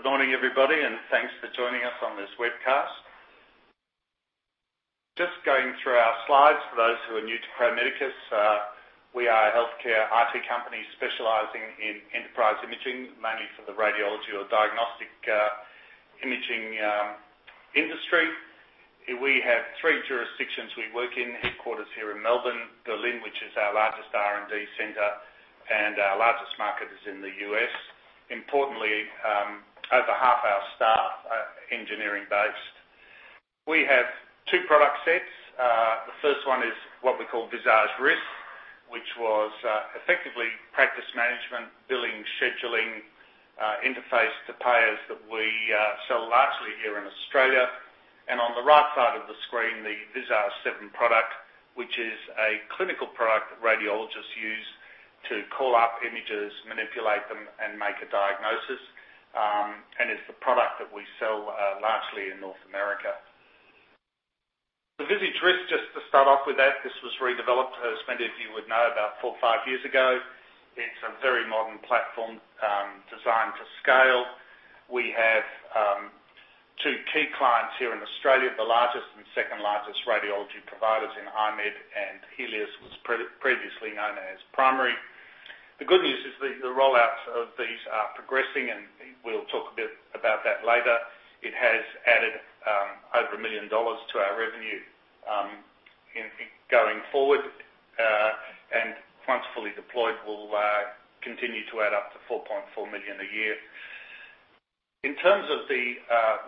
Good morning, everybody, and thanks for joining us on this webcast. Just going through our slides for those who are new to Pro Medicus. We are a healthcare IT company specializing in enterprise imaging, mainly for the radiology or diagnostic imaging industry. We have three jurisdictions we work in: headquarters here in Melbourne, Berlin, which is our largest R&D center, and our largest market is in the U.S. Importantly, over half our staff are engineering-based. We have two product sets. The first one is what we call Visage RIS, which was effectively practice management, billing, scheduling, interface to payers that we sell largely here in Australia, and on the right side of the screen, the Visage 7 product, which is a clinical product that radiologists use to call up images, manipulate them, and make a diagnosis, and it's the product that we sell largely in North America. The Visage RIS, just to start off with that, this was redeveloped, as many of you would know, about four or five years ago. It's a very modern platform designed to scale. We have two key clients here in Australia, the largest and second-largest radiology providers in I-MED and Healius, which was previously known as Primary Health Care. The good news is that the rollout of these are progressing, and we'll talk a bit about that later. It has added over 1 million dollars to our revenue going forward, and once fully deployed, will continue to add up to 4.4 million a year. In terms of the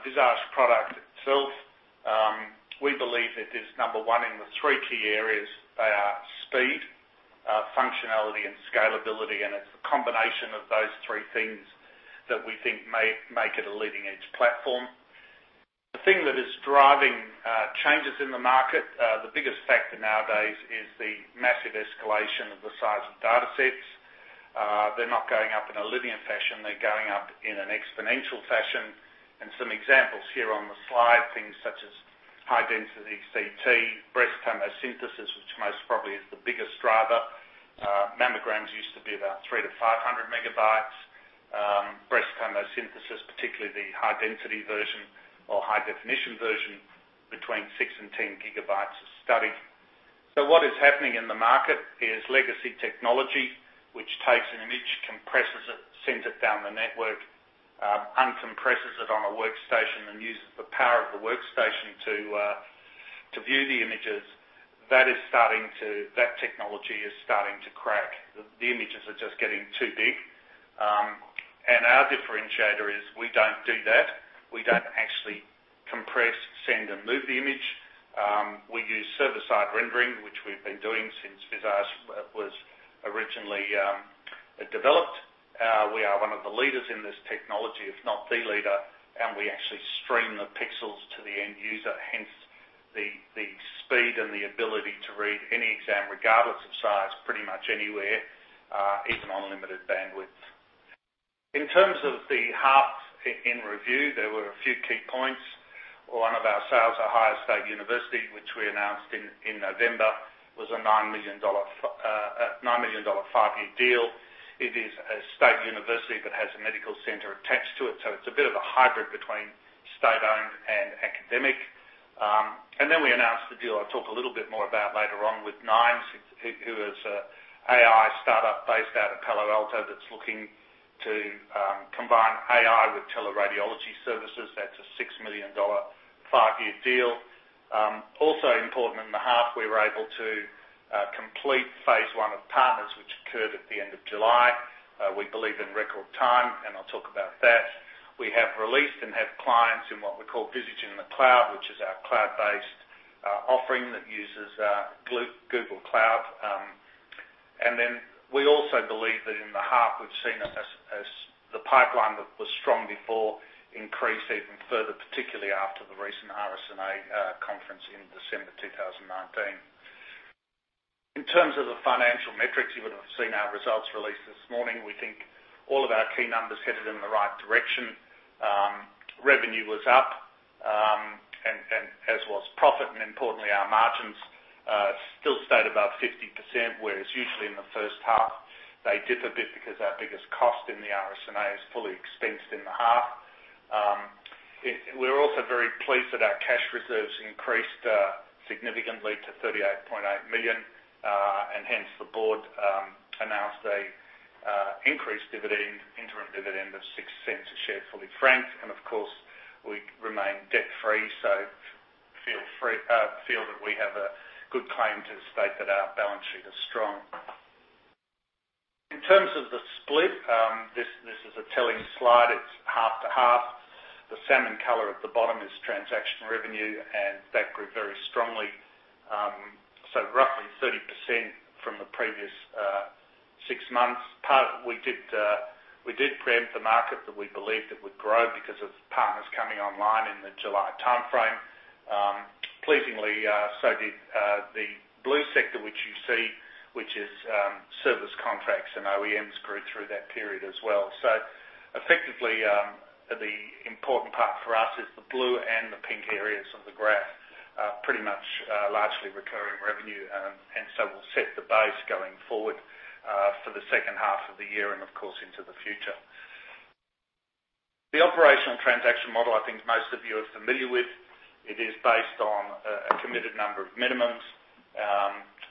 Visage product itself, we believe it is number one in the three key areas. They are speed, functionality, and scalability. It's the combination of those three things that we think make it a leading-edge platform. The thing that is driving changes in the market, the biggest factor nowadays, is the massive escalation of the size of data sets. They're not going up in a linear fashion. They're going up in an exponential fashion, and some examples here on the slide, things such as high-density CT, breast tomosynthesis, which most probably is the biggest driver. Mammograms used to be about 300-500 megabytes. Breast tomosynthesis, particularly the high-density version or high-definition version, between 6 and 10 gigabytes of study. So what is happening in the market is legacy technology, which takes an image, compresses it, sends it down the network, uncompresses it on a workstation, and uses the power of the workstation to view the images. That technology is starting to crack. The images are just getting too big, and our differentiator is we don't do that. We don't actually compress, send, and move the image. We use server-side rendering, which we've been doing since Visage was originally developed. We are one of the leaders in this technology, if not the leader, and we actually stream the pixels to the end user, hence the speed and the ability to read any exam, regardless of size, pretty much anywhere, even on limited bandwidth. In terms of the half-year review, there were a few key points. One of our sales, Ohio State University, which we announced in November, was a $9 million five-year deal. It is a state university but has a medical center attached to it. So it's a bit of a hybrid between state-owned and academic. And then we announced the deal I'll talk a little bit more about later on with Nines, who is an AI startup based out of Palo Alto that's looking to combine AI with teleradiology services. That's a $6 million five-year deal. Also important in the half, we were able to complete phase I of Partners, which occurred at the end of July. We believe in record time, and I'll talk about that. We have released and have clients in what we call Visage in the Cloud, which is our cloud-based offering that uses Google Cloud. And then we also believe that in the half, we've seen the pipeline that was strong before increase even further, particularly after the recent RSNA conference in December 2019. In terms of the financial metrics, you would have seen our results released this morning. We think all of our key numbers headed in the right direction. Revenue was up, as was profit. And importantly, our margins still stayed above 50%, whereas usually in the first half, they dip a bit because our biggest cost in the RSNA is fully expensed in the half. We're also very pleased that our cash reserves increased significantly to 38.8 million. And hence, the board announced an increased interim dividend of 0.06 per share fully franked. And of course, we remain debt-free, so feel that we have a good claim to state that our balance sheet is strong. In terms of the split, this is a telling slide. It's half to half. The salmon color at the bottom is transaction revenue, and that grew very strongly, so roughly 30% from the previous six months. We did preempt the market that we believed it would grow because of partners coming online in the July timeframe. Pleasingly, so did the blue sector, which you see, which is service contracts and OEMs, grew through that period as well. So effectively, the important part for us is the blue and the pink areas of the graph, pretty much largely recurring revenue, and so we'll set the base going forward for the second half of the year and, of course, into the future. The operational transaction model, I think most of you are familiar with. It is based on a committed number of minimums,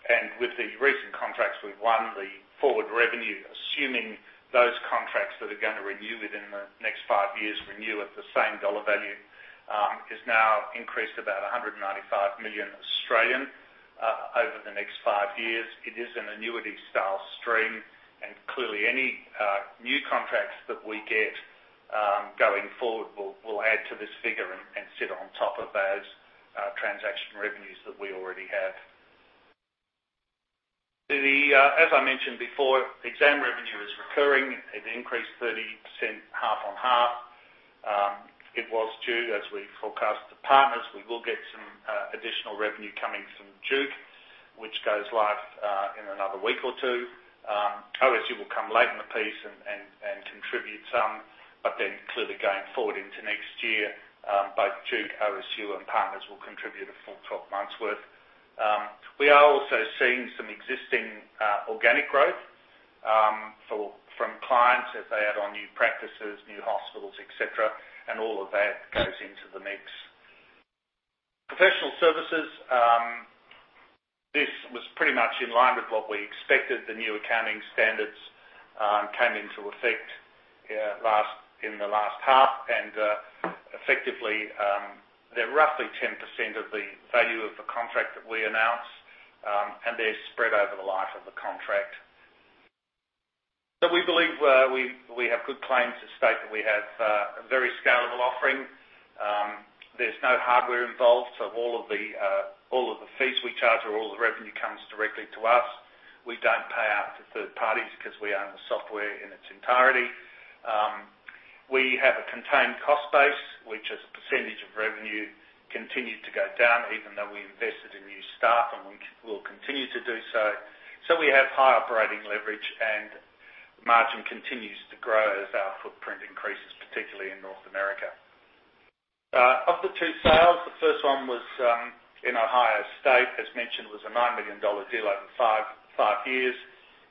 and with the recent contracts we've won, the forward revenue, assuming those contracts that are going to renew within the next five years, renew at the same dollar value, is now increased to about 195 million over the next five years. It is an annuity-style stream. Clearly, any new contracts that we get going forward will add to this figure and sit on top of those transaction revenues that we already have. As I mentioned before, exam revenue is recurring. It increased 30% half on half. It was due, as we forecast the Partners. We will get some additional revenue coming from Duke, which goes live in another week or two. OSU will come late in the piece and contribute some. Then clearly, going forward into next year, both Duke, OSU, and Partners will contribute a full 12 months' worth. We are also seeing some existing organic growth from clients as they add on new practices, new hospitals, etc. And all of that goes into the mix. Professional services, this was pretty much in line with what we expected. The new accounting standards came into effect in the last half. And effectively, they're roughly 10% of the value of the contract that we announced, and they're spread over the life of the contract. So we believe we have good claims to state that we have a very scalable offering. There's no hardware involved. So all of the fees we charge or all the revenue comes directly to us. We don't pay out to third parties because we own the software in its entirety. We have a contained cost base, which as a percentage of revenue continued to go down, even though we invested in new staff and will continue to do so. So we have high operating leverage, and margin continues to grow as our footprint increases, particularly in North America. Of the two sales, the first one was in Ohio State, as mentioned, was a $9 million deal over five years.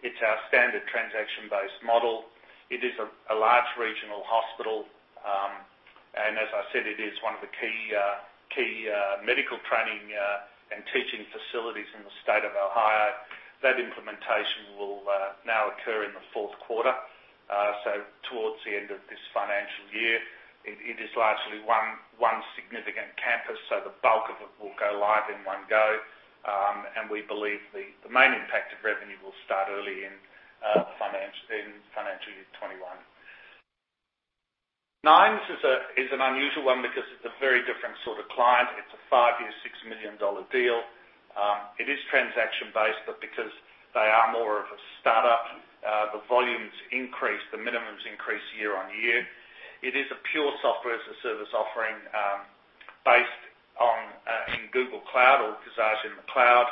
It's our standard transaction-based model. It is a large regional hospital, and as I said, it is one of the key medical training and teaching facilities in the state of Ohio. That implementation will now occur in the fourth quarter, so towards the end of this financial year. It is largely one significant campus, so the bulk of it will go live in one go, and we believe the main impact of revenue will start early in financial year 2021. Nines is an unusual one because it's a very different sort of client. It's a five-year, $6 million deal. It is transaction-based, but because they are more of a startup, the volumes increase, the minimums increase year on year. It is a pure software-as-a-service offering based in Google Cloud or Visage in the Cloud.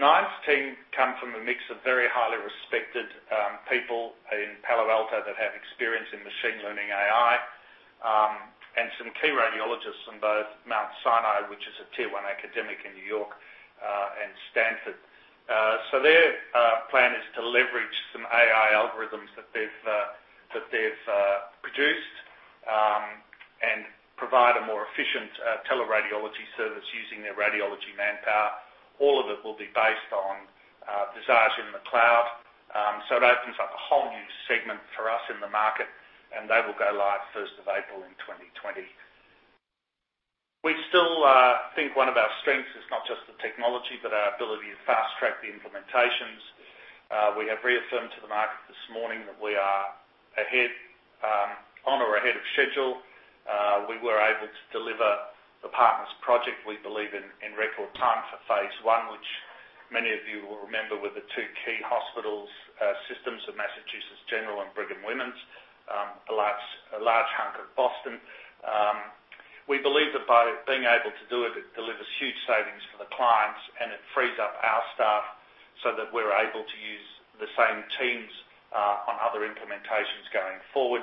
Nines team come from a mix of very highly respected people in Palo Alto that have experience in machine learning AI and some key radiologists in both Mount Sinai, which is a tier-one academic in New York, and Stanford. So their plan is to leverage some AI algorithms that they've produced and provide a more efficient teleradiology service using their radiology manpower. All of it will be based on Visage in the Cloud. So it opens up a whole new segment for us in the market, and they will go live 1st of April in 2020. We still think one of our strengths is not just the technology, but our ability to fast-track the implementations. We have reaffirmed to the market this morning that we are ahead on or ahead of schedule. We were able to deliver the Partners' project, we believe, in record time for phase I, which many of you will remember were the two key hospital systems of Massachusetts General Hospital and Brigham and Women's Hospital, a large hunk of Boston. We believe that by being able to do it, it delivers huge savings for the clients, and it frees up our staff so that we're able to use the same teams on other implementations going forward.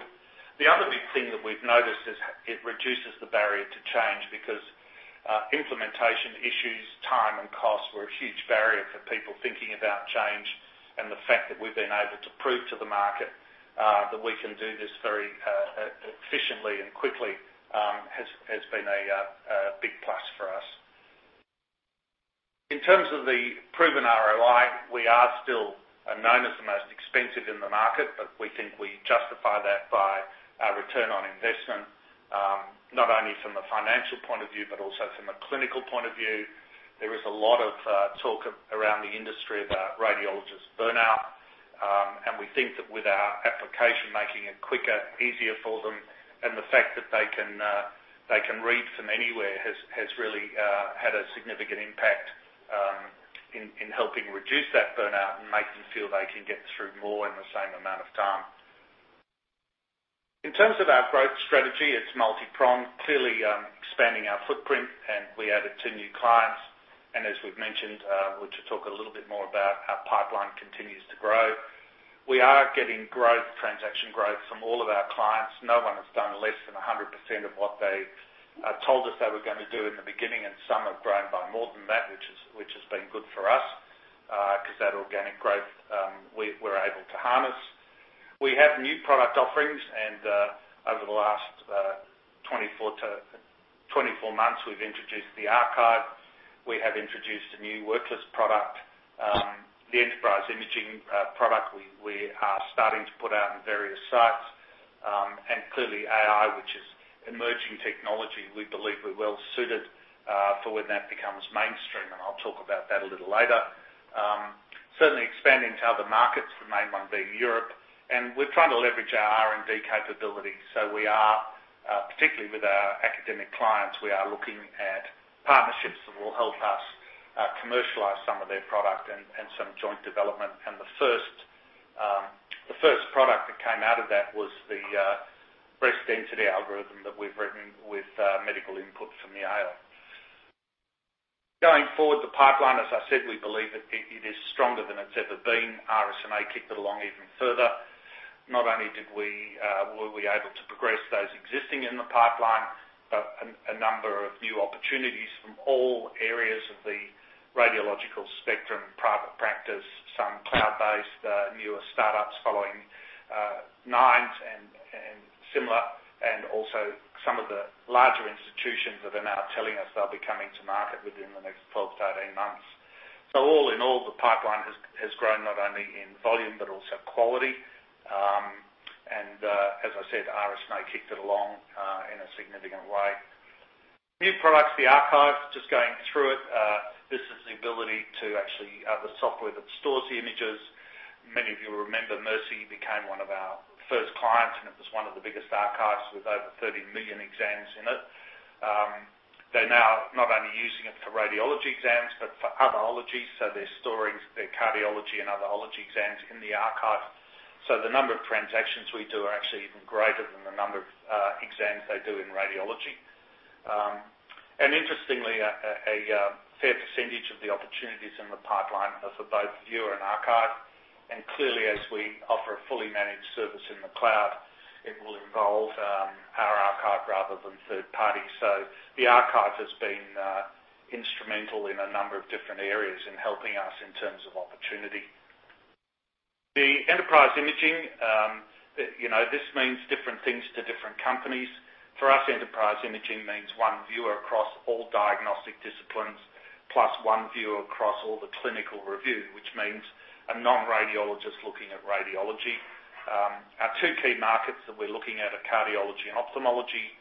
The other big thing that we've noticed is it reduces the barrier to change because implementation issues, time, and cost were a huge barrier for people thinking about change. The fact that we've been able to prove to the market that we can do this very efficiently and quickly has been a big plus for us. In terms of the proven ROI, we are still known as the most expensive in the market, but we think we justify that by our return on investment, not only from a financial point of view, but also from a clinical point of view. There is a lot of talk around the industry about radiologist burnout, and we think that with our application making it quicker, easier for them, and the fact that they can read from anywhere has really had a significant impact in helping reduce that burnout and make them feel they can get through more in the same amount of time. In terms of our growth strategy, it's multi-pronged, clearly expanding our footprint, and we added two new clients, and as we've mentioned, we'll talk a little bit more about our pipeline continues to grow. We are getting transaction growth from all of our clients. No one has done less than 100% of what they told us they were going to do in the beginning, and some have grown by more than that, which has been good for us because that organic growth we're able to harness. We have new product offerings, and over the last 24 months, we've introduced the archive. We have introduced a new worklist product, the enterprise imaging product we are starting to put out in various sites, and clearly, AI, which is emerging technology, we believe we're well-suited for when that becomes mainstream, and I'll talk about that a little later. Certainly, expanding to other markets, the main one being Europe, and we're trying to leverage our R&D capability, so we are, particularly with our academic clients, we are looking at partnerships that will help us commercialize some of their product and some joint development. And the first product that came out of that was the breast density algorithm that we've written with medical input from Yale. Going forward, the pipeline, as I said, we believe it is stronger than it's ever been. RSNA kicked it along even further. Not only were we able to progress those existing in the pipeline, but a number of new opportunities from all areas of the radiological spectrum, private practice, some cloud-based, newer startups following Nines and similar, and also some of the larger institutions that are now telling us they'll be coming to market within the next 12 to 18 months. So all in all, the pipeline has grown not only in volume but also quality. And as I said, RSNA kicked it along in a significant way. New products, the archive. Just going through it, this is the ability to actually have the software that stores the images. Many of you will remember Mercy became one of our first clients, and it was one of the biggest archives with over 30 million exams in it. They're now not only using it for radiology exams but for other ologies. So they're storing their cardiology and other ologies exams in the archive. So the number of transactions we do are actually even greater than the number of exams they do in radiology. And interestingly, a fair percentage of the opportunities in the pipeline are for both viewer and archive. And clearly, as we offer a fully managed service in the cloud, it will involve our archive rather than third party. So the archive has been instrumental in a number of different areas in helping us in terms of opportunity. The enterprise imaging, this means different things to different companies. For us, enterprise imaging means one viewer across all diagnostic disciplines plus one viewer across all the clinical review, which means a non-radiologist looking at radiology. Our two key markets that we're looking at are cardiology and ophthalmology.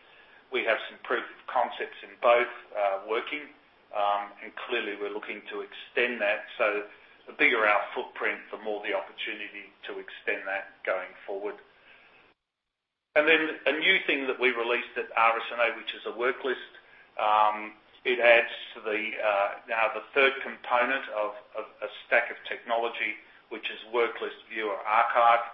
We have some proof of concepts in both working, and clearly, we're looking to extend that. So the bigger our footprint, the more the opportunity to extend that going forward, and then a new thing that we released at RSNA, which is a worklist. It adds to the now the third component of a stack of technology, which is worklist viewer archive.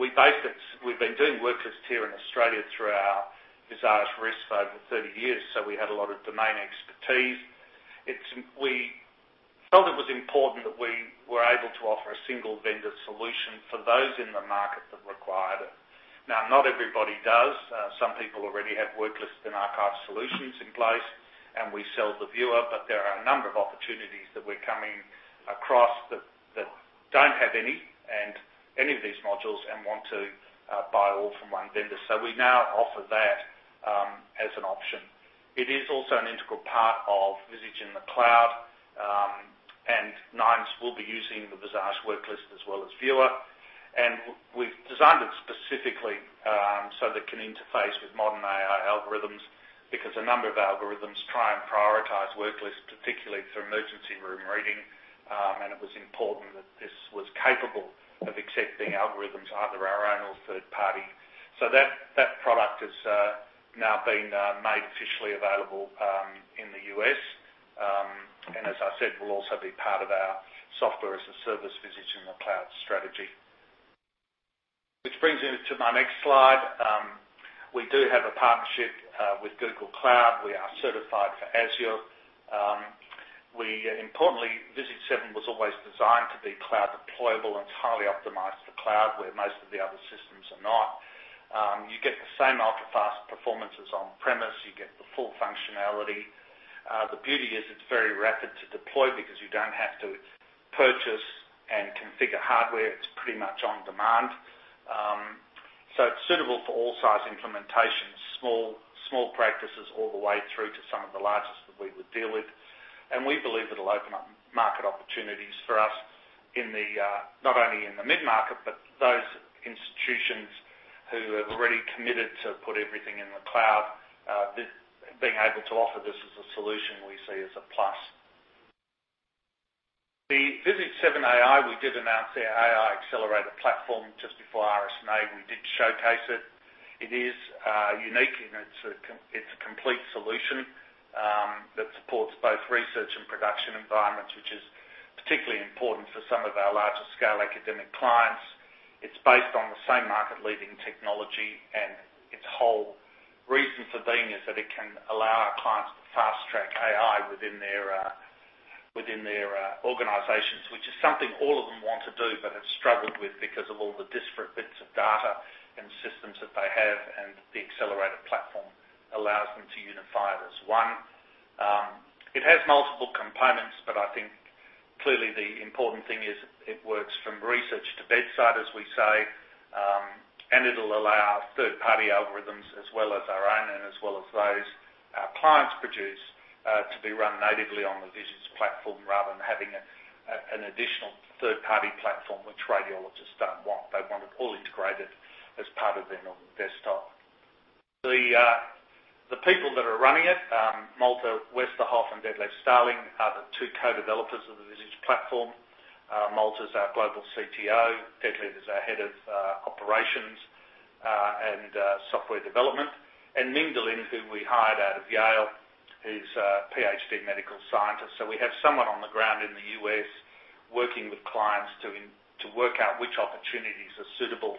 We've been doing worklist here in Australia through our Visage RIS for over 30 years, so we had a lot of domain expertise. We felt it was important that we were able to offer a single vendor solution for those in the market that required it. Now, not everybody does. Some people already have worklist and archive solutions in place, and we sell the viewer. But there are a number of opportunities that we're coming across that don't have any of these modules and want to buy all from one vendor. So we now offer that as an option. It is also an integral part of Visage in the Cloud, and Nines will be using the Visage Worklist as well as viewer. And we've designed it specifically so that it can interface with modern AI algorithms because a number of algorithms try and prioritize worklist, particularly for emergency room reading. And it was important that this was capable of accepting algorithms, either our own or third party. That product has now been made officially available in the U.S. And as I said, will also be part of our software-as-a-service Visage in the Cloud strategy, which brings me to my next slide. We do have a partnership with Google Cloud. We are certified for Azure. Importantly, Visage 7 was always designed to be cloud deployable and is highly optimized for cloud, where most of the other systems are not. You get the same ultra-fast performances on-premise. You get the full functionality. The beauty is it's very rapid to deploy because you don't have to purchase and configure hardware. It's pretty much on demand. So it's suitable for all size implementations, small practices all the way through to some of the largest that we would deal with. And we believe it'll open up market opportunities for us not only in the mid-market, but those institutions who have already committed to put everything in the cloud. Being able to offer this as a solution, we see as a plus. The Visage 7 AI, we did announce the AI accelerator platform just before RSNA. We did showcase it. It is unique, and it's a complete solution that supports both research and production environments, which is particularly important for some of our larger-scale academic clients. It's based on the same market-leading technology. And its whole reason for being is that it can allow our clients to fast-track AI within their organizations, which is something all of them want to do but have struggled with because of all the disparate bits of data and systems that they have. And the accelerator platform allows them to unify it as one. It has multiple components, but I think clearly the important thing is it works from research to bedside, as we say. And it'll allow third-party algorithms as well as our own and as well as those our clients produce to be run natively on the Visage platform rather than having an additional third-party platform, which radiologists don't want. They want it all integrated as part of their normal desktop. The people that are running it, Malte Westerhoff and Detlef Stalling, are the two co-developers of the Visage platform. Malte's our Global CTO. Detlef is our head of operations and software development. And Ming De Lin, who we hired out of Yale, is a PhD medical scientist. So we have someone on the ground in the U.S. working with clients to work out which opportunities are suitable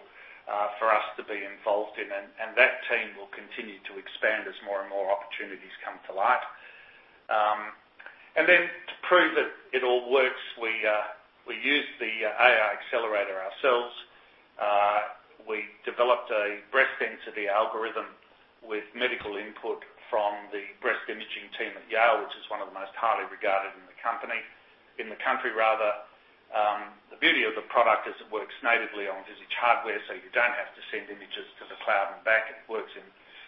for us to be involved in. And that team will continue to expand as more and more opportunities come to light. Then to prove that it all works, we use the AI accelerator ourselves. We developed a breast density algorithm with medical input from the breast imaging team at Yale, which is one of the most highly regarded in the country, rather. The beauty of the product is it works natively on Visage hardware, so you don't have to send images to the cloud and back. It works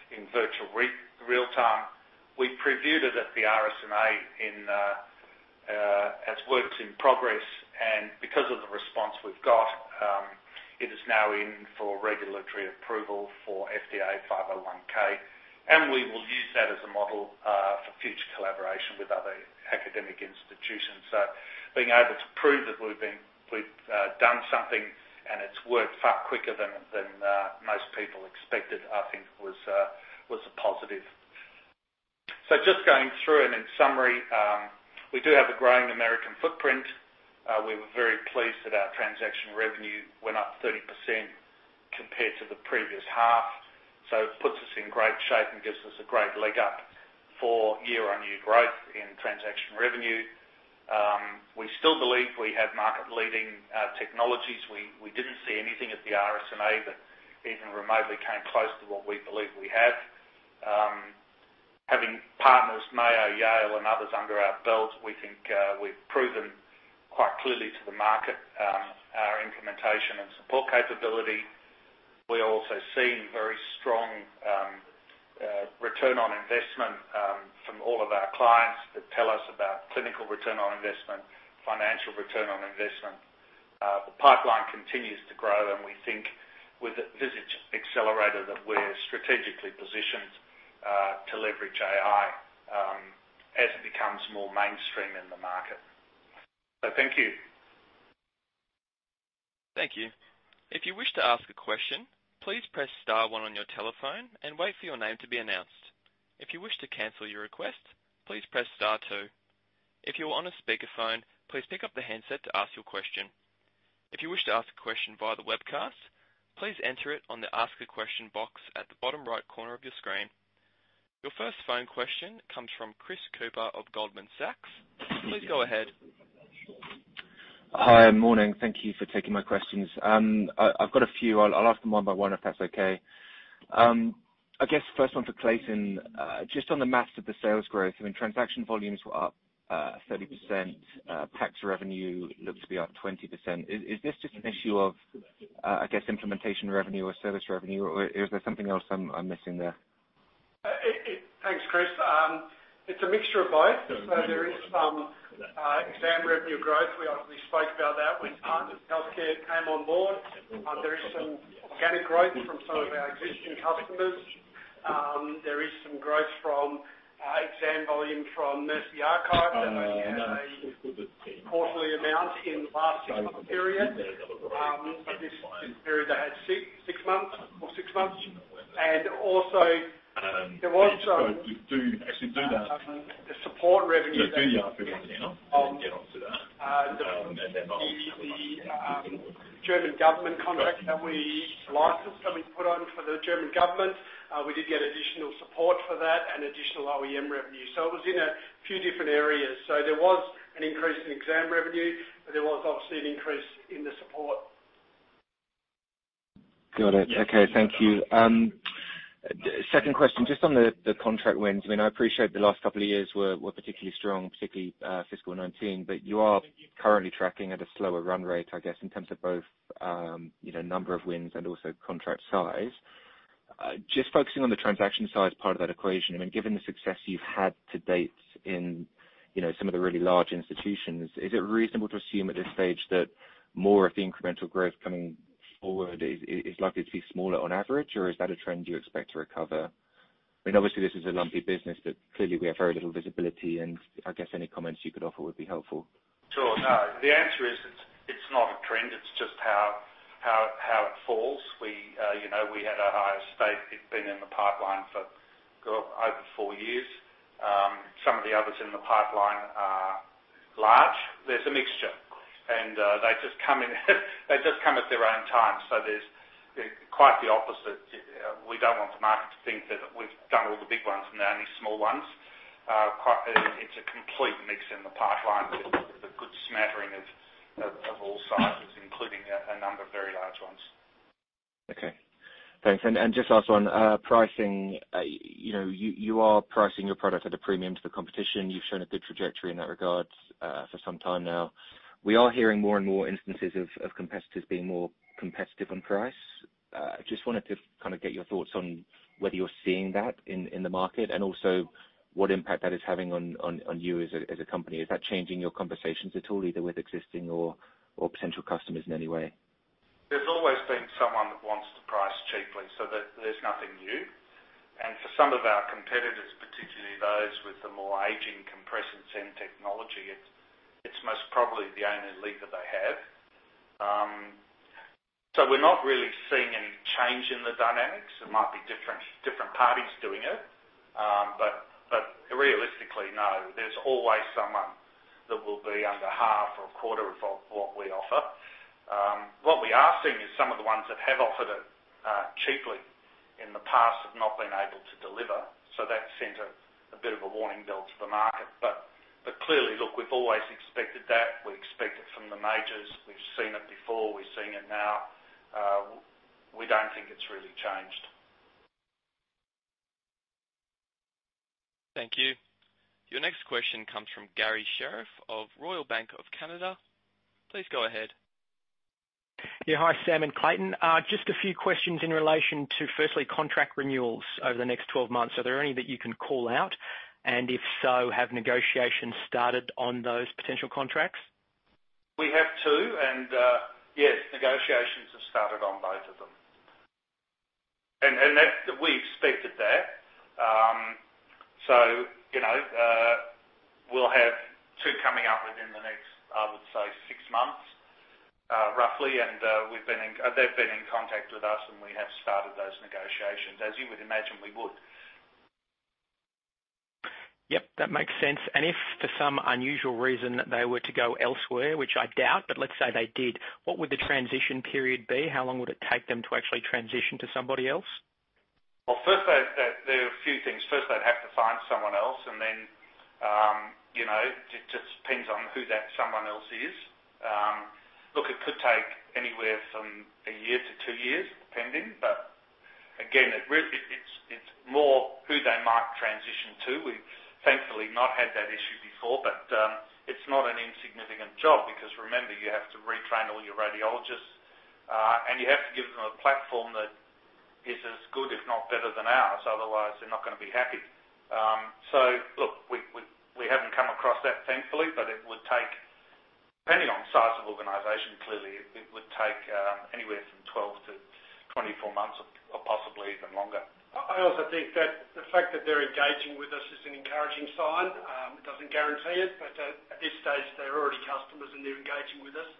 in virtually real-time. We previewed it at the RSNA as works in progress. Because of the response we've got, it is now in for regulatory approval for FDA 510(k). We will use that as a model for future collaboration with other academic institutions. Being able to prove that we've done something and it's worked far quicker than most people expected, I think, was a positive. Just going through it in summary, we do have a growing American footprint. We were very pleased that our transaction revenue went up 30% compared to the previous half. It puts us in great shape and gives us a great leg up for year-on-year growth in transaction revenue. We still believe we have market-leading technologies. We didn't see anything at the RSNA that even remotely came close to what we believe we have. Having partners Mayo, Yale, and others under our belt, we think we've proven quite clearly to the market our implementation and support capability. We are also seeing very strong return on investment from all of our clients that tell us about clinical return on investment, financial return on investment. The pipeline continues to grow. And we think with the Visage Accelerator that we're strategically positioned to leverage AI as it becomes more mainstream in the market. So thank you. Thank you. If you wish to ask a question, please press star one on your telephone and wait for your name to be announced. If you wish to cancel your request, please press star two. If you're on a speakerphone, please pick up the handset to ask your question. If you wish to ask a question via the webcast, please enter it on the ask a question box at the bottom right corner of your screen. Your first phone question comes from Chris Cooper of Goldman Sachs. Please go ahead. Hi. Morning. Thank you for taking my questions. I've got a few. I'll ask them one by one if that's okay. I guess first one for Clayton. Just on the math of the sales growth, I mean, transaction volumes were up 30%. PACS revenue looks to be up 20%. Is this just an issue of, I guess, implementation revenue or service revenue, or is there something else I'm missing there? Thanks, Chris. It's a mixture of both. So there is some exam revenue growth. We obviously spoke about that when Partners HealthCare came on board. There is some organic growth from some of our existing customers. There is some growth from exam volume from Mercy Archive that was a quarterly amount in the last six-month period. This period, they had six months or six months. And also, there was some, the support revenue. The German government contract that we licensed that we put on for the German government, we did get additional support for that and additional OEM revenue. So it was in a few different areas. So there was an increase in exam revenue, but there was obviously an increase in the support. Got it. Okay. Thank you. Second question, just on the contract wins. I mean, I appreciate the last couple of years were particularly strong, particularly fiscal 2019, but you are currently tracking at a slower run rate, I guess, in terms of both number of wins and also contract size. Just focusing on the transaction size part of that equation, I mean, given the success you've had to date in some of the really large institutions, is it reasonable to assume at this stage that more of the incremental growth coming forward is likely to be smaller on average, or is that a trend you expect to recover? I mean, obviously, this is a lumpy business, but clearly, we have very little visibility, and I guess any comments you could offer would be helpful. Sure. No. The answer is it's not a trend. It's just how it falls. We had our highest state. It's been in the pipeline for over four years. Some of the others in the pipeline are large. There's a mixture. And they just come in. They just come at their own time. So there's quite the opposite. We don't want the market to think that we've done all the big ones and they're only small ones. It's a complete mix in the pipeline with a good smattering of all sizes, including a number of very large ones. Okay. Thanks. And just last one, pricing. You are pricing your product at a premium to the competition. You've shown a good trajectory in that regard for some time now. We are hearing more and more instances of competitors being more competitive on price. I just wanted to kind of get your thoughts on whether you're seeing that in the market and also what impact that is having on you as a company. Is that changing your conversations at all, either with existing or potential customers in any way? There's always been someone that wants to price cheaply, so there's nothing new. And for some of our competitors, particularly those with the more aging compression-based technology, it's most probably the only leverage they have. So we're not really seeing any change in the dynamics. It might be different parties doing it, but realistically, no. There's always someone that will be under half or a quarter of what we offer. What we are seeing is some of the ones that have offered it cheaply in the past have not been able to deliver. So that sent a bit of a warning bell to the market. But clearly, look, we've always expected that. We expect it from the majors. We've seen it before. We're seeing it now. We don't think it's really changed. Thank you. Your next question comes from Garry Sherriff of Royal Bank of Canada. Please go ahead. Yeah. Hi, Sam and Clayton. Just a few questions in relation to, firstly, contract renewals over the next 12 months. Are there any that you can call out? And if so, have negotiations started on those potential contracts? We have two. And yes, negotiations have started on both of them. And we expected that. So we'll have two coming up within the next, I would say, six months, roughly. And they've been in contact with us, and we have started those negotiations, as you would imagine we would. Yep. That makes sense and if for some unusual reason they were to go elsewhere, which I doubt, but let's say they did, what would the transition period be? How long would it take them to actually transition to somebody else? First, there are a few things. First, they'd have to find someone else. It just depends on who that someone else is. Look, it could take anywhere from a year to two years, depending. Again, it's more who they might transition to. We've thankfully not had that issue before, but it's not an insignificant job because, remember, you have to retrain all your radiologists, and you have to give them a platform that is as good, if not better, than ours. Otherwise, they're not going to be happy. Look, we haven't come across that, thankfully, but it would take, depending on size of organization, clearly, it would take anywhere from 12-24 months or possibly even longer. I also think that the fact that they're engaging with us is an encouraging sign. It doesn't guarantee it, but at this stage, they're already customers, and they're engaging with us.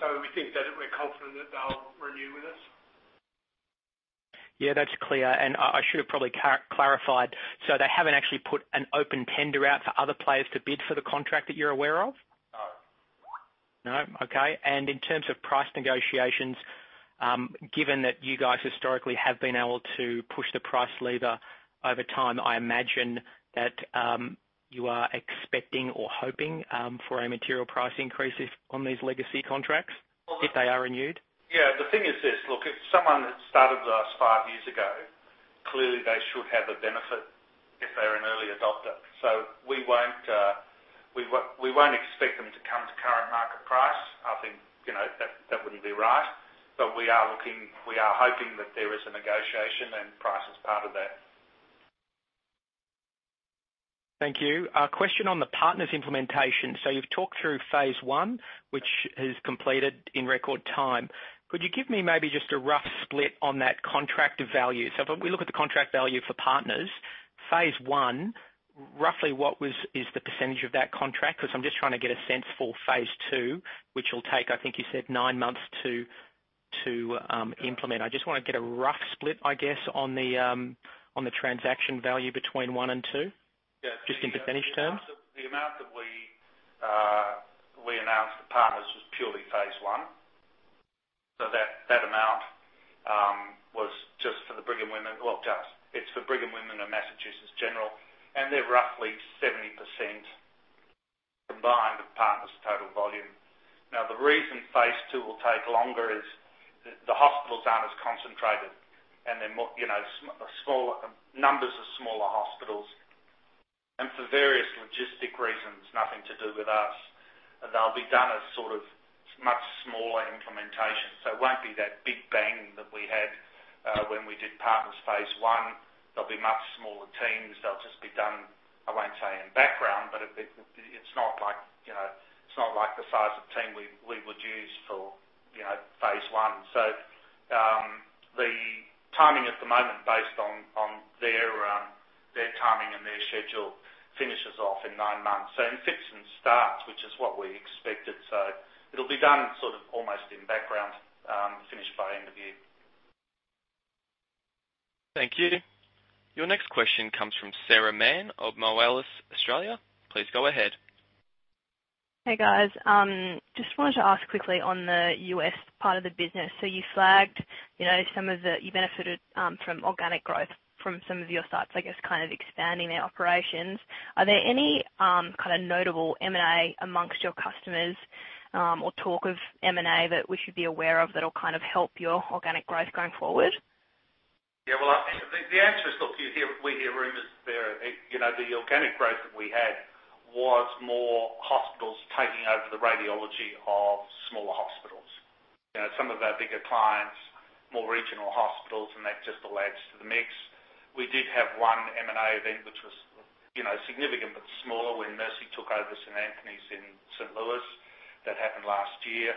So we think that we're confident that they'll renew with us. Yeah. That's clear. And I should have probably clarified. So they haven't actually put an open tender out for other players to bid for the contract that you're aware of? No. No? Okay. And in terms of price negotiations, given that you guys historically have been able to push the price lever over time, I imagine that you are expecting or hoping for a material price increase on these legacy contracts if they are renewed? Yeah. The thing is this. Look, if someone started with us five years ago, clearly, they should have a benefit if they're an early adopter. So we won't expect them to come to current market price. I think that wouldn't be right. But we are hoping that there is a negotiation, and price is part of that. Thank you. Question on the Partners' Implementation. So you've talked through phase I, which has completed in record time. Could you give me maybe just a rough split on that contract value? So if we look at the contract value for Partners, phase I, roughly what is the percentage of that contract? Because I'm just trying to get a sense for phase II, which will take, I think you said, nine months to implement. I just want to get a rough split, I guess, on the transaction value between one and two, just in percentage terms. Yeah. So the amount that we announced to Partners was purely phase I. So that amount was just for the Brigham and Women's, well, it's for Brigham and Women's and Massachusetts General. And they're roughly 70% combined of Partners' total volume. Now, the reason phase II will take longer is the hospitals aren't as concentrated, and the numbers are smaller hospitals. And for various logistic reasons, nothing to do with us, they'll be done as sort of much smaller implementation. So it won't be that big bang that we had when we did Partners phase I. There'll be much smaller teams. They'll just be done, I won't say in background, but it's not like the size of team we would use for phase I. So the timing at the moment, based on their timing and their schedule, finishes off in nine months. So it fits and starts, which is what we expected. It'll be done sort of almost in background, finished by end of year. Thank you. Your next question comes from Sarah Mann of Moelis Australia. Please go ahead. Hey, guys. Just wanted to ask quickly on the U.S. part of the business. So you flagged some of the, you benefited from organic growth from some of your sites, I guess, kind of expanding their operations. Are there any kind of notable M&A among your customers or talk of M&A that we should be aware of that will kind of help your organic growth going forward? Yeah. Well, the answer is, look, we hear rumors there. The organic growth that we had was more hospitals taking over the radiology of smaller hospitals. Some of our bigger clients, more regional hospitals, and that just led to the mix. We did have one M&A event which was significant but smaller when Mercy took over St. Anthony's in St. Louis that happened last year.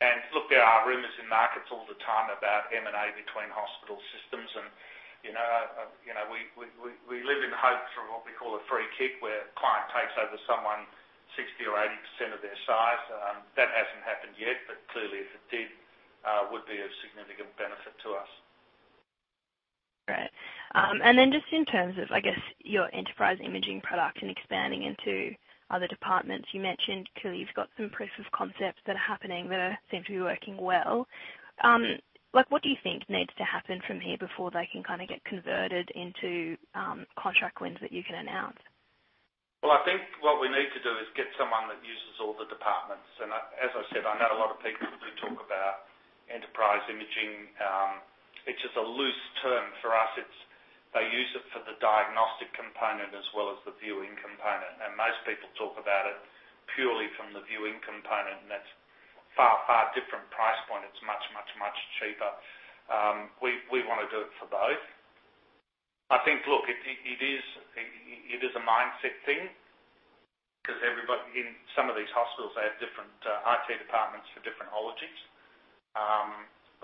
And look, there are rumors in markets all the time about M&A between hospital systems. And we live in hope for what we call a free kick where a client takes over someone, 60% or 80% of their size. That hasn't happened yet, but clearly, if it did, would be of significant benefit to us. Great. And then just in terms of, I guess, your enterprise imaging product and expanding into other departments, you mentioned clearly you've got some proof of concepts that are happening that seem to be working well. What do you think needs to happen from here before they can kind of get converted into contract wins that you can announce? I think what we need to do is get someone that uses all the departments. As I said, I know a lot of people who talk about Enterprise Imaging. It's just a loose term for us. They use it for the diagnostic component as well as the viewing component. Most people talk about it purely from the viewing component, and that's a far, far different price point. It's much, much, much cheaper. We want to do it for both. I think, look, it is a mindset thing because in some of these hospitals, they have different IT departments for different modalities.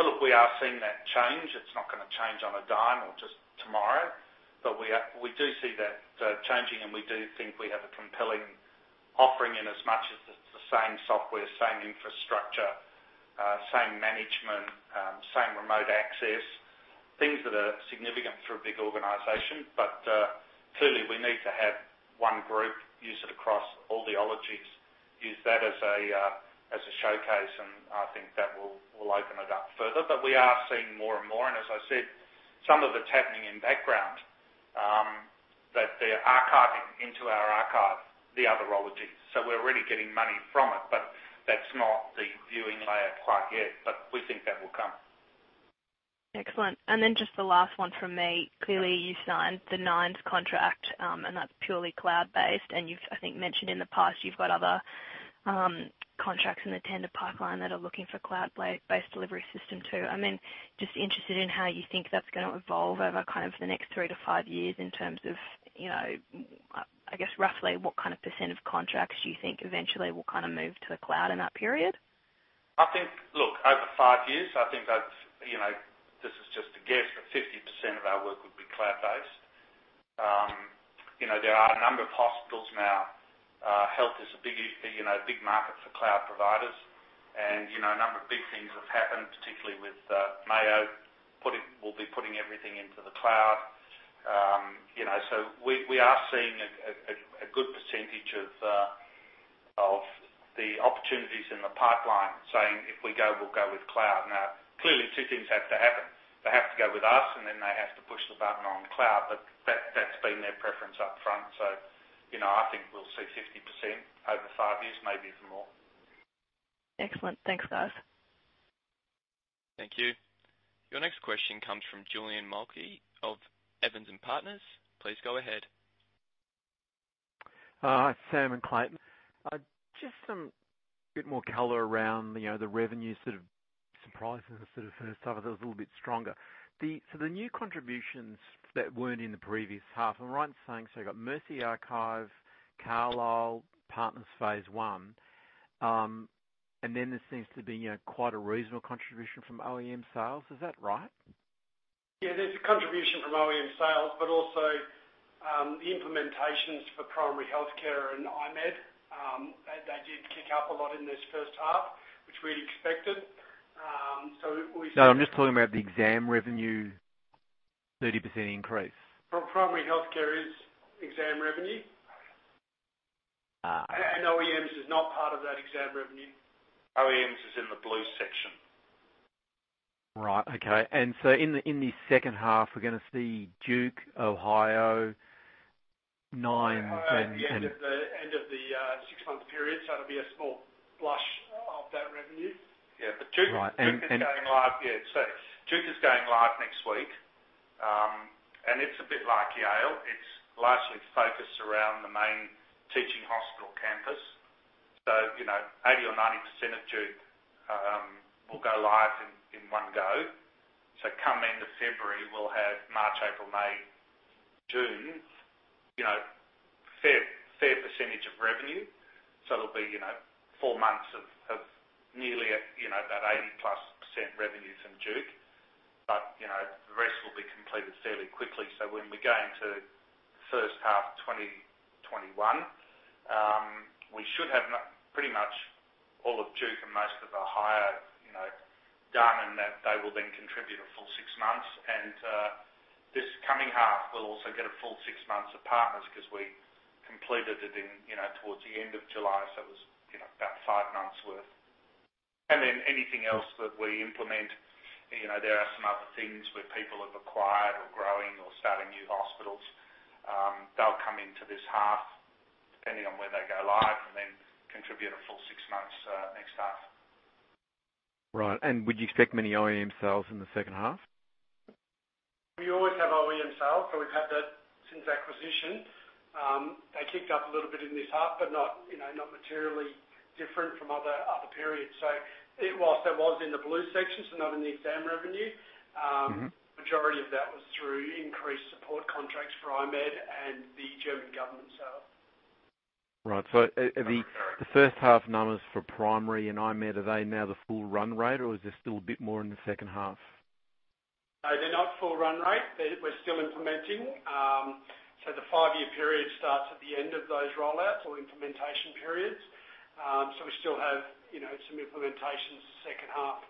Look, we are seeing that change. It's not going to change on a dime or just tomorrow. But we do see that changing, and we do think we have a compelling offering in as much as it's the same software, same infrastructure, same management, same remote access, things that are significant for a big organization. But clearly, we need to have one group use it across all the modalities, use that as a showcase, and I think that will open it up further. But we are seeing more and more. And as I said, some of it's happening in background that they're archiving into our archive, the other modalities. So we're already getting money from it, but that's not the viewing layer quite yet. But we think that will come. Excellent. And then just the last one from me. Clearly, you signed the Nines contract, and that's purely cloud-based. And you've, I think, mentioned in the past, you've got other contracts in the tender pipeline that are looking for cloud-based delivery system too. I mean, just interested in how you think that's going to evolve over kind of the next three to five years in terms of, I guess, roughly what kind of % of contracts do you think eventually will kind of move to the cloud in that period? I think, look, over five years, I think this is just a guess, but 50% of our work would be cloud-based. There are a number of hospitals now. Health is a big market for cloud providers. And a number of big things have happened, particularly with Mayo Clinic will be putting everything into the cloud. So we are seeing a good percentage of the opportunities in the pipeline saying, "If we go, we'll go with cloud." Now, clearly, two things have to happen. They have to go with us, and then they have to push the button on cloud. But that's been their preference upfront. So I think we'll see 50% over five years, maybe even more. Excellent. Thanks, guys. Thank you. Your next question comes from Julian Mulcahy of Evans & Partners. Please go ahead. Hi, Sam and Clayton. Just a bit more color around the revenue sort of surprises sort of first, so it's a little bit stronger. So the new contributions that weren't in the previous half, am I right in saying? So you've got Mercy Archive, Carle, Partners phase I. And then there seems to be quite a reasonable contribution from OEM sales. Is that right? Yeah. There's a contribution from OEM sales, but also the implementations for Primary Health Care and I-MED. They did kick up a lot in this first half, which we'd expected. So we. No, I'm just talking about the exam revenue, 30% increase. Primary Health Care is exam revenue. And OEMs is not part of that exam revenue. OEMs is in the blue section. Right. Okay. And so in the second half, we're going to see Duke, Ohio, Nines, and. Yeah. The end of the six-month period. So it'll be a small flush of that revenue. Yeah. But Duke is going live. Yeah. So Duke is going live next week. And it's a bit like Yale. It's largely focused around the main teaching hospital campus. So 80% or 90% of Duke will go live in one go. So come end of February, we'll have March, April, May, June, fair percentage of revenue. So it'll be four months of nearly about 80+% revenue from Duke. But the rest will be completed fairly quickly. So when we go into the first half of 2021, we should have pretty much all of Duke and most of the other done, and they will then contribute a full six months. And this coming half, we'll also get a full six months of Partners because we completed it towards the end of July. So it was about five months' worth. And then anything else that we implement, there are some other things where people have acquired or growing or starting new hospitals. They'll come into this half, depending on where they go live, and then contribute a full six months next half. Right, and would you expect many OEM sales in the second half? We always have OEM sales, but we've had that since acquisition. They kicked up a little bit in this half, but not materially different from other periods. So whilst that was in the blue section, so not in the exam revenue, the majority of that was through increased support contracts for I-MED and the German government sales. Right. So the first half numbers for Primary and I-MED, are they now the full run rate, or is there still a bit more in the second half? No, they're not full run rate. We're still implementing. So the five-year period starts at the end of those rollouts or implementation periods. So we still have some implementations in the second half.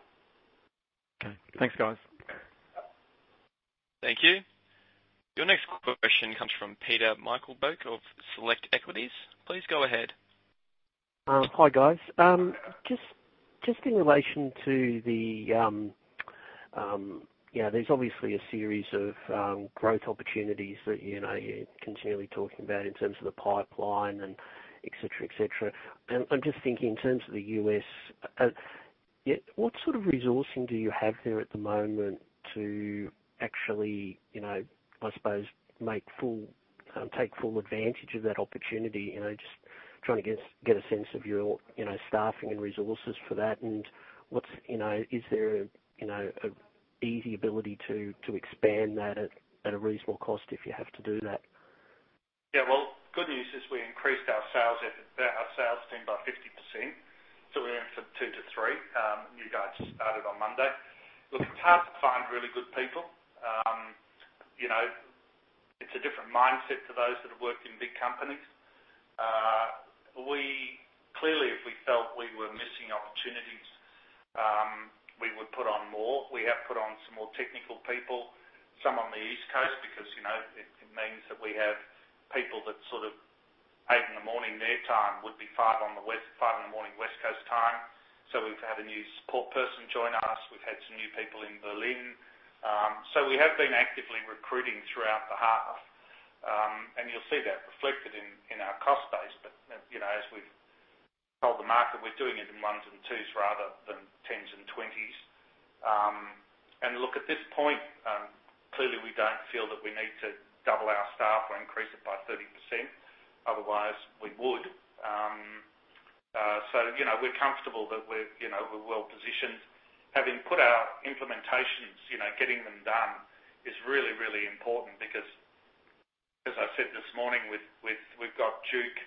Okay. Thanks, guys. Thank you. Your next question comes from Peter Meichelboeck of Select Equities. Please go ahead. Hi, guys. Just in relation to the, there's obviously a series of growth opportunities that you're continually talking about in terms of the pipeline and etc., etc. And I'm just thinking in terms of the U.S., what sort of resourcing do you have there at the moment to actually, I suppose, take full advantage of that opportunity? Just trying to get a sense of your staffing and resources for that. And is there an easy ability to expand that at a reasonable cost if you have to do that? Yeah. Well, good news is we increased our sales team by 50%. So we went from two to three. New guys just started on Monday. Look, it's hard to find really good people. It's a different mindset to those that have worked in big companies. Clearly, if we felt we were missing opportunities, we would put on more. We have put on some more technical people, some on the East Coast, because it means that we have people that sort of 8:00 A.M. in the morning their time would be 5:00 A.M. in the morning West Coast time. So we've had a new support person join us. We've had some new people in Berlin. So we have been actively recruiting throughout the half. And you'll see that reflected in our cost base. But as we've told the market, we're doing it in ones and twos rather than tens and twenties. Look, at this point, clearly, we don't feel that we need to double our staff or increase it by 30%. Otherwise, we would. We're comfortable that we're well positioned. Having put our implementations, getting them done is really, really important because, as I said this morning, we've got Duke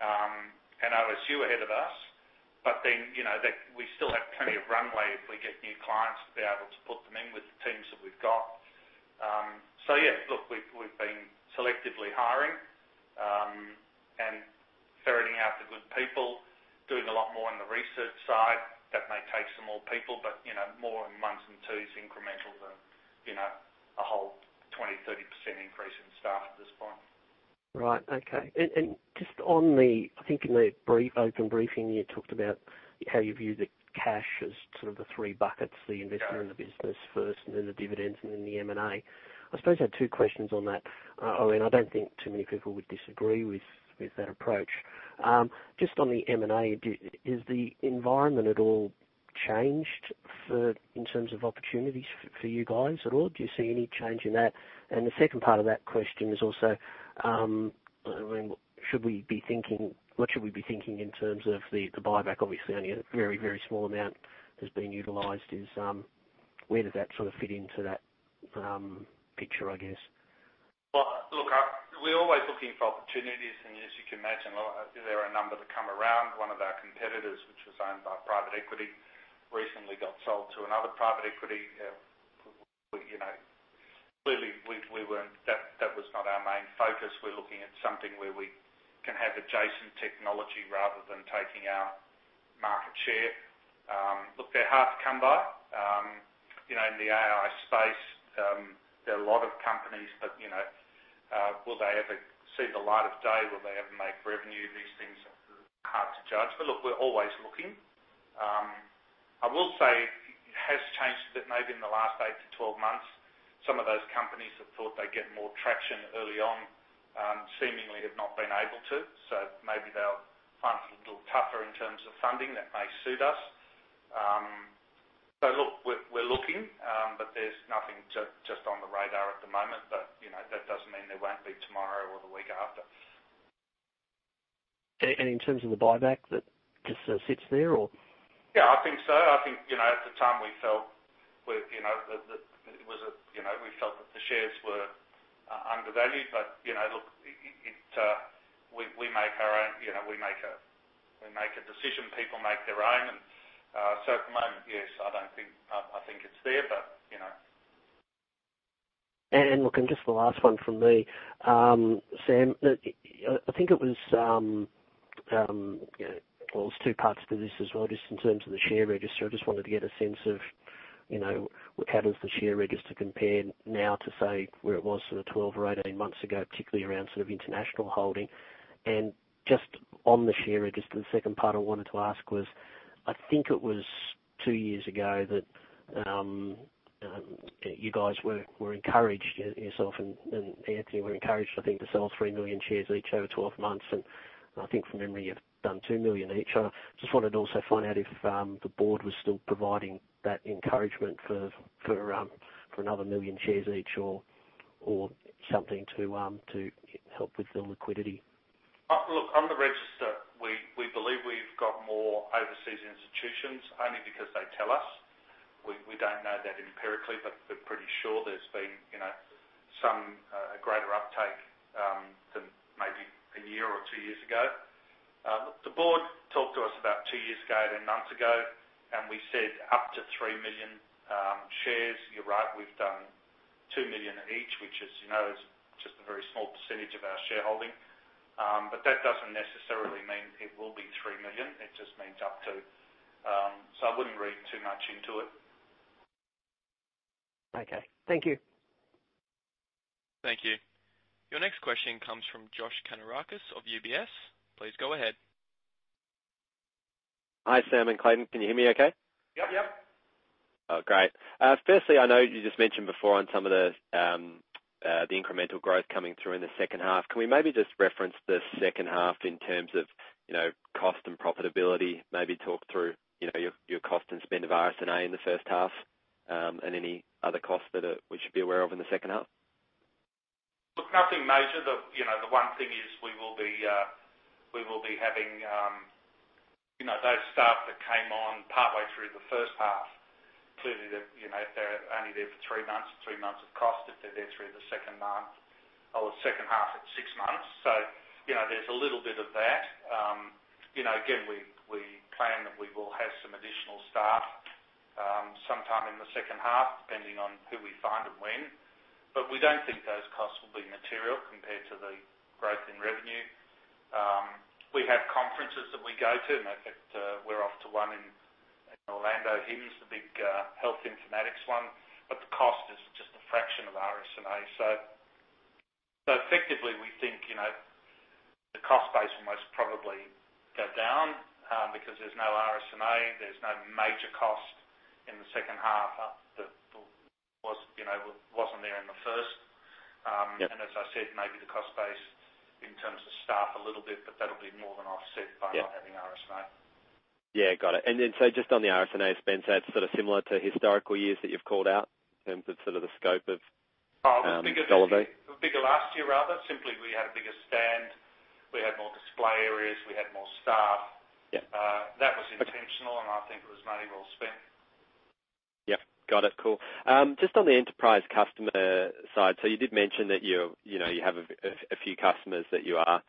and OSU ahead of us. Then we still have plenty of runway if we get new clients to be able to put them in with the teams that we've got. Yeah, look, we've been selectively hiring and ferreting out the good people, doing a lot more on the research side. That may take some more people, but more in ones and twos incremental than a whole 20%-30% increase in staff at this point. Right. Okay. And just on the, I think, in the open briefing, you talked about how you view the cash as sort of the three buckets, the investment in the business first, and then the dividends, and then the M&A. I suppose I had two questions on that. I mean, I don't think too many people would disagree with that approach. Just on the M&A, has the environment at all changed in terms of opportunities for you guys at all? Do you see any change in that? And the second part of that question is also, I mean, should we be thinking what should we be thinking in terms of the buyback? Obviously, only a very, very small amount has been utilized. Where does that sort of fit into that picture, I guess? Well, look, we're always looking for opportunities. And as you can imagine, there are a number that come around. One of our competitors, which was owned by private equity, recently got sold to another private equity. Clearly, that was not our main focus. We're looking at something where we can have adjacent technology rather than taking our market share. Look, they're hard to come by. In the AI space, there are a lot of companies, but will they ever see the light of day? Will they ever make revenue? These things are hard to judge. But look, we're always looking. I will say it has changed a bit maybe in the last eight to 12 months. Some of those companies that thought they'd get more traction early on seemingly have not been able to. So maybe they'll find it a little tougher in terms of funding that may suit us. But look, we're looking, but there's nothing just on the radar at the moment. But that doesn't mean there won't be tomorrow or the week after. In terms of the buyback, that just sits there, or? Yeah, I think so. I think at the time we felt that the shares were undervalued. But look, we make our own decision. People make their own. And so at the moment, yes, I think it's there, but. Look, and just the last one from me. Sam, I think it was well, there's two parts to this as well, just in terms of the share register. I just wanted to get a sense of how does the share register compare now to, say, where it was sort of 12 or 18 months ago, particularly around sort of international holding. And just on the share register, the second part I wanted to ask was, I think it was two years ago that you guys were encouraged, yourself and Anthony were encouraged, I think, to sell 3 million shares each over 12 months. And I think from memory, you've done 2 million each. I just wanted to also find out if the board was still providing that encouragement for another million shares each or something to help with the liquidity. Look, on the register, we believe we've got more overseas institutions only because they tell us. We don't know that empirically, but we're pretty sure there's been a greater uptake than maybe a year or two years ago. Look, the board talked to us about two years ago and a month ago, and we said up to three million shares. You're right. We've done two million each, which is just a very small percentage of our shareholding. But that doesn't necessarily mean it will be three million. It just means up to. So I wouldn't read too much into it. Okay. Thank you. Thank you. Your next question comes from Josh Kannourakis of UBS. Please go ahead. Hi, Sam and Clayton. Can you hear me okay? Yep. Yep. Great. Firstly, I know you just mentioned before on some of the incremental growth coming through in the second half. Can we maybe just reference the second half in terms of cost and profitability, maybe talk through your cost and spend of SG&A in the first half and any other costs that we should be aware of in the second half? Look, nothing major. The one thing is we will be having those staff that came on partway through the first half. Clearly, if they're only there for three months, three months of cost, if they're there through the second month or the second half at six months. So there's a little bit of that. Again, we plan that we will have some additional staff sometime in the second half, depending on who we find and when. But we don't think those costs will be material compared to the growth in revenue. We have conferences that we go to. In fact, we're off to one in Orlando, HIMSS, the big health informatics one. But the cost is just a fraction of RSNA. So effectively, we think the cost base will most probably go down because there's no RSNA. There's no major cost in the second half that wasn't there in the first. And as I said, maybe the cost base in terms of staff a little bit, but that'll be more than offset by not having RSNA. Yeah. Got it. And then, so just on the RSNA spend, so it's sort of similar to historical years that you've called out in terms of sort of the scope of. Oh, the bigger thing. The bigger last year, rather. Simply, we had a bigger stand. We had more display areas. We had more staff. That was intentional, and I think it was money well spent. Yep. Got it. Cool. Just on the enterprise customer side, so you did mention that you have a few customers that you are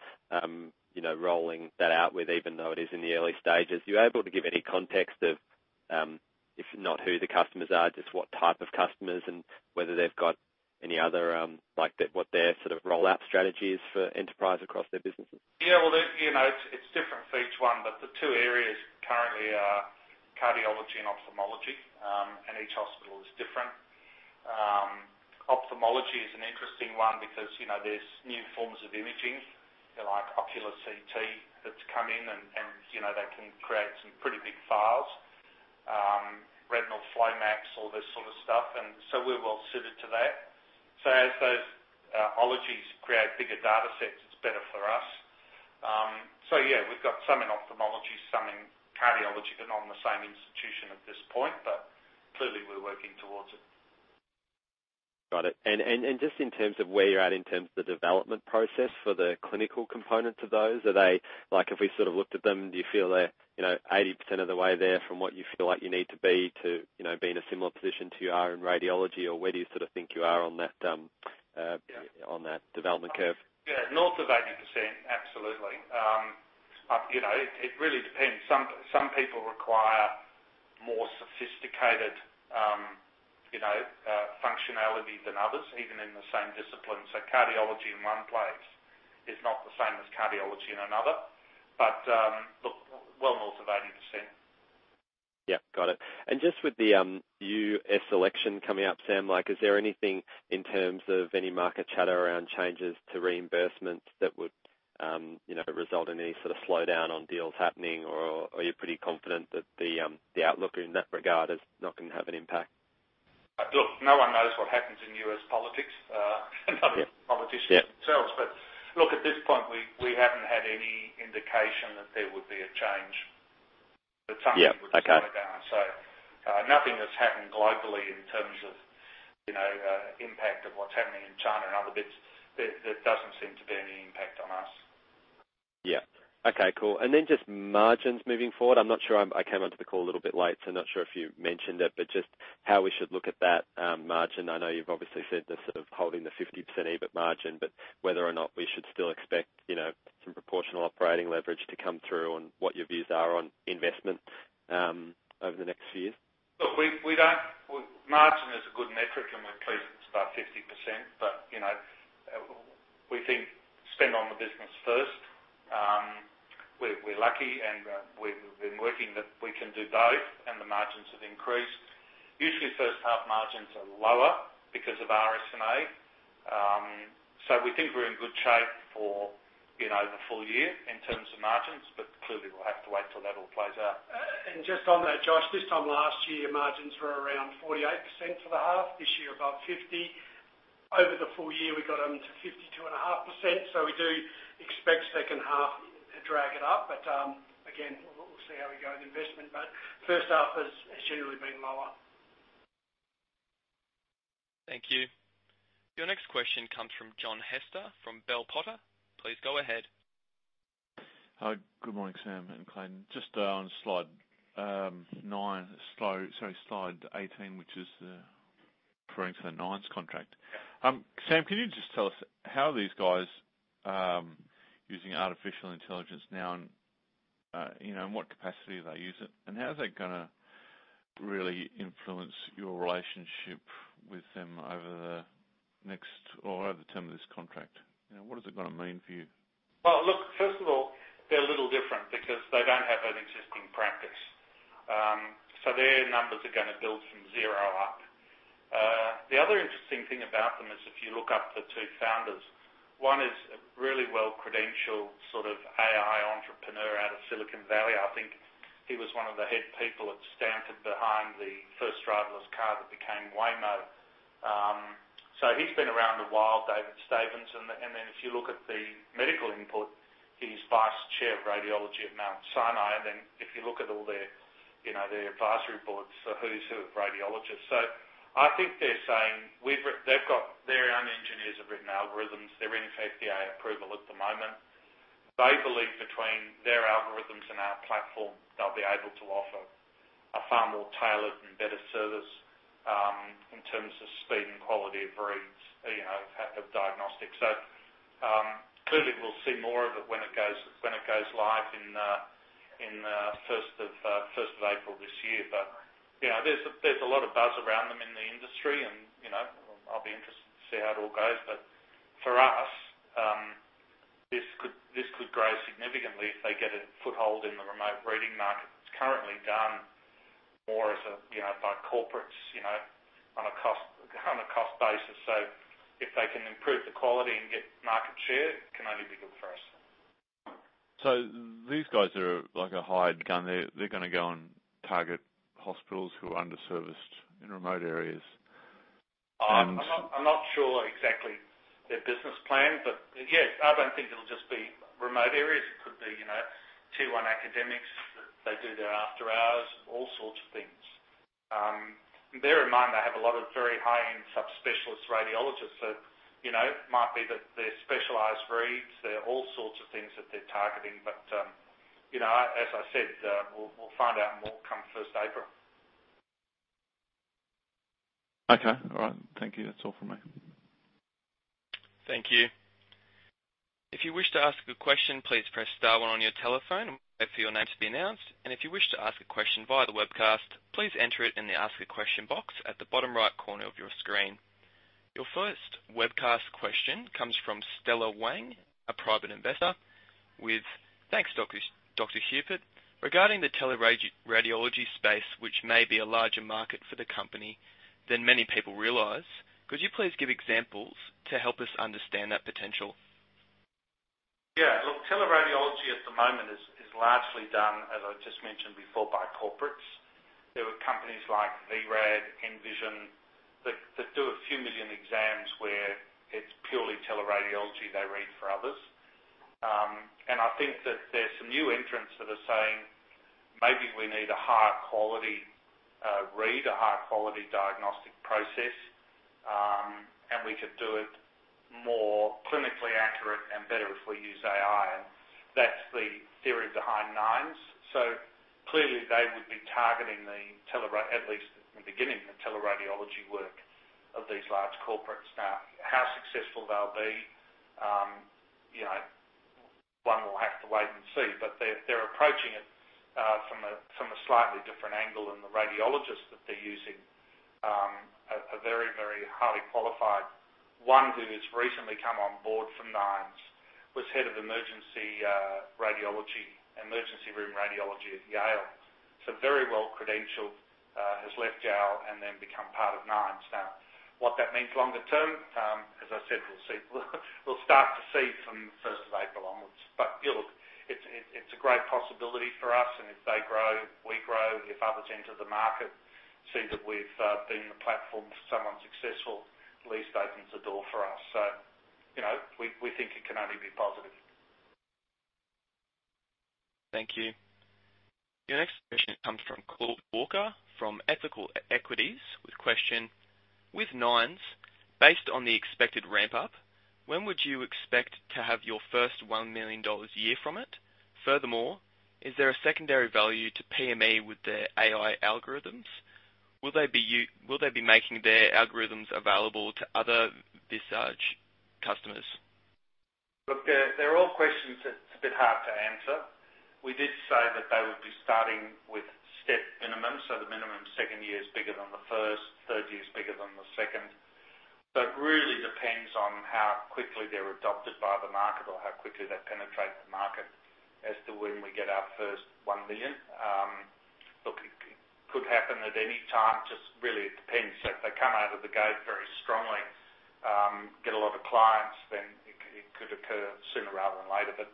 rolling that out with, even though it is in the early stages. Are you able to give any context of, if not who the customers are, just what type of customers and whether they've got any other what their sort of rollout strategy is for enterprise across their businesses? Yeah. Well, it's different for each one. But the two areas currently are cardiology and ophthalmology, and each hospital is different. Ophthalmology is an interesting one because there's new forms of imaging, like ocular CT, that's come in, and they can create some pretty big files, Retinal FlowMaps, all this sort of stuff. And so we're well suited to that. So as those ologies create bigger data sets, it's better for us. So yeah, we've got some in ophthalmology, some in cardiology, but not in the same institution at this point. But clearly, we're working towards it. Got it. And just in terms of where you're at in terms of the development process for the clinical components of those, are they like if we sort of looked at them, do you feel they're 80% of the way there from what you feel like you need to be to be in a similar position to you are in radiology, or where do you sort of think you are on that development curve? Yeah. North of 80%, absolutely. It really depends. Some people require more sophisticated functionality than others, even in the same discipline, so cardiology in one place is not the same as cardiology in another, but look, well north of 80%. Yeah. Got it. And just with the U.S. election coming up, Sam, is there anything in terms of any market chatter around changes to reimbursement that would result in any sort of slowdown on deals happening, or are you pretty confident that the outlook in that regard is not going to have an impact? Look, no one knows what happens in U.S. politics. None of the politicians themselves. But look, at this point, we haven't had any indication that there would be a change that something would slow down. So nothing has happened globally in terms of impact of what's happening in China and other bits. There doesn't seem to be any impact on us. Yeah. Okay. Cool. And then just margins moving forward. I'm not sure I came onto the call a little bit late. So I'm not sure if you mentioned it, but just how we should look at that margin. I know you've obviously said this sort of holding the 50% EBIT margin, but whether or not we should still expect some proportional operating leverage to come through on what your views are on investment over the next few years. Look, margin is a good metric, and we're pleased it's about 50%, but we think spend on the business first. We're lucky, and we've been working that we can do both, and the margins have increased. Usually, first-half margins are lower because of RSNA, so we think we're in good shape for the full year in terms of margins, but clearly, we'll have to wait till that all plays out. And just on that, Josh, this time last year, margins were around 48% for the half. This year, about 50%. Over the full year, we got them to 52.5%. So we do expect second half to drag it up. But again, we'll see how we go with investment. But first half has generally been lower. Thank you. Your next question comes from John Hester from Bell Potter. Please go ahead. Good morning, Sam and Clayton. Just on slide nine, sorry, slide 18, which is referring to the Nines contract. Sam, can you just tell us how are these guys using artificial intelligence now, and in what capacity do they use it, and how is that going to really influence your relationship with them over the next or over the term of this contract? What is it going to mean for you? Look, first of all, they're a little different because they don't have an existing practice. So their numbers are going to build from zero up. The other interesting thing about them is if you look up the two founders, one is a really well-credentialed sort of AI entrepreneur out of Silicon Valley. I think he was one of the head people at Stanford behind the first driverless car that became Waymo. So he's been around a while, David Stavens. And then if you look at the medical input, he's vice chair of radiology at Mount Sinai. And then if you look at all their advisory boards for who's who of radiologists, so I think they're saying they've got their own engineers who have written algorithms. They're in FDA approval at the moment. They believe between their algorithms and our platform, they'll be able to offer a far more tailored and better service in terms of speed and quality of reads of diagnostics. So clearly, we'll see more of it when it goes live in the first of April this year. But there's a lot of buzz around them in the industry, and I'll be interested to see how it all goes. But for us, this could grow significantly if they get a foothold in the remote reading market. It's currently done more by corporates on a cost basis. So if they can improve the quality and get market share, it can only be good for us. So these guys are like a hired gun. They're going to go and target hospitals who are underserviced in remote areas. I'm not sure exactly their business plan, but yes, I don't think it'll just be remote areas. It could be T1 academics that they do their after-hours, all sorts of things. Bear in mind they have a lot of very high-end subspecialist radiologists. So it might be that they're specialized reads. There are all sorts of things that they're targeting. But as I said, we'll find out more come first April. Okay. All right. Thank you. That's all from me. Thank you. If you wish to ask a question, please press star one on your telephone and wait for your name to be announced. And if you wish to ask a question via the webcast, please enter it in the ask a question box at the bottom right corner of your screen. Your first webcast question comes from Stella Wang, a private investor, with thanks, Dr. Hupert, regarding the teleradiology space, which may be a larger market for the company than many people realize. Could you please give examples to help us understand that potential? Yeah. Look, teleradiology at the moment is largely done, as I just mentioned before, by corporates. There are companies like vRad, Envision that do a few million exams where it's purely teleradiology they read for others. And I think that there's some new entrants that are saying maybe we need a higher quality read, a higher quality diagnostic process, and we could do it more clinically accurate and better if we use AI. And that's the theory behind Nines. So clearly, they would be targeting the, at least in the beginning, the teleradiology work of these large corporates now. How successful they'll be, one will have to wait and see. But they're approaching it from a slightly different angle than the radiologists that they're using. A very, very highly qualified one who has recently come on board from Nines was head of emergency radiology, emergency room radiology at Yale. So very well-credentialed, has left Yale and then become part of Nines now. What that means longer term, as I said, we'll start to see from the first of April onwards. But look, it's a great possibility for us. And if they grow, we grow. If others enter the market, see that we've been the platform for someone successful, at least opens a door for us. So we think it can only be positive. Thank you. Your next question comes from Claude Walker from Ethical Equities with question, With Nines, based on the expected ramp-up, when would you expect to have your first $1 million a year from it? Furthermore, is there a secondary value to PME with their AI algorithms? Will they be making their algorithms available to other customers? Look, they're all questions that's a bit hard to answer. We did say that they would be starting with step minimum. So the minimum second year is bigger than the first, third year is bigger than the second. But really depends on how quickly they're adopted by the market or how quickly they penetrate the market as to when we get our first 1 million. Look, it could happen at any time. Just really, it depends. So if they come out of the gate very strongly, get a lot of clients, then it could occur sooner rather than later. But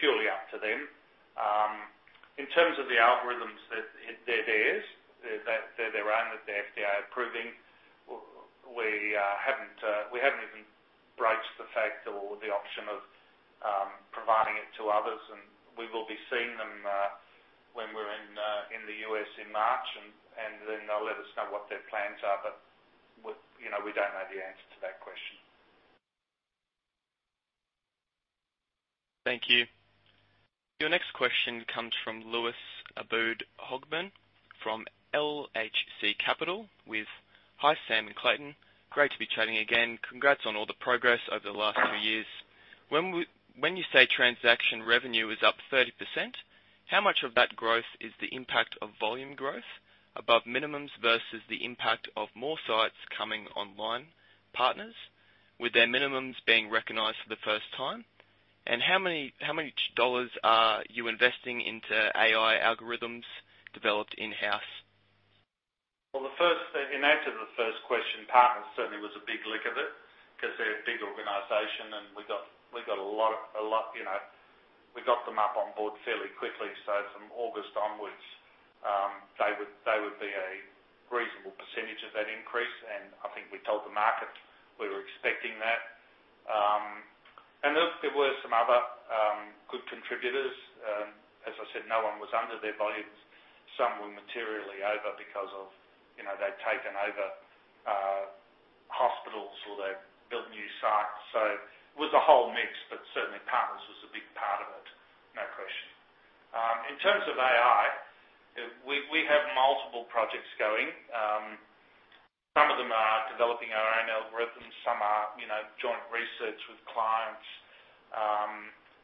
purely up to them. In terms of the algorithms that they're theirs, they're their own that the FDA are approving. We haven't even broached the fact or the option of providing it to others. We will be seeing them when we're in the U.S. in March, and then they'll let us know what their plans are, but we don't know the answer to that question. Thank you. Your next question comes from Lewis Abboud Hogben from LHC Capital with, "Hi Sam and Clayton. Great to be chatting again. Congrats on all the progress over the last two years. When you say transaction revenue is up 30%, how much of that growth is the impact of volume growth above minimums versus the impact of more sites coming online, partners with their minimums being recognized for the first time? And how many dollars are you investing into AI algorithms developed in-house? In answer to the first question, Partners certainly was a big chunk of it because they're a big organization, and we got them up on board fairly quickly. From August onwards, they would be a reasonable percentage of that increase. I think we told the market we were expecting that. Look, there were some other good contributors. As I said, no one was under their volumes. Some were materially over because they'd taken over hospitals or they'd built new sites. It was a whole mix, but certainly Partners was a big part of it, no question. In terms of AI, we have multiple projects going. Some of them are developing our own algorithms. Some are joint research with clients.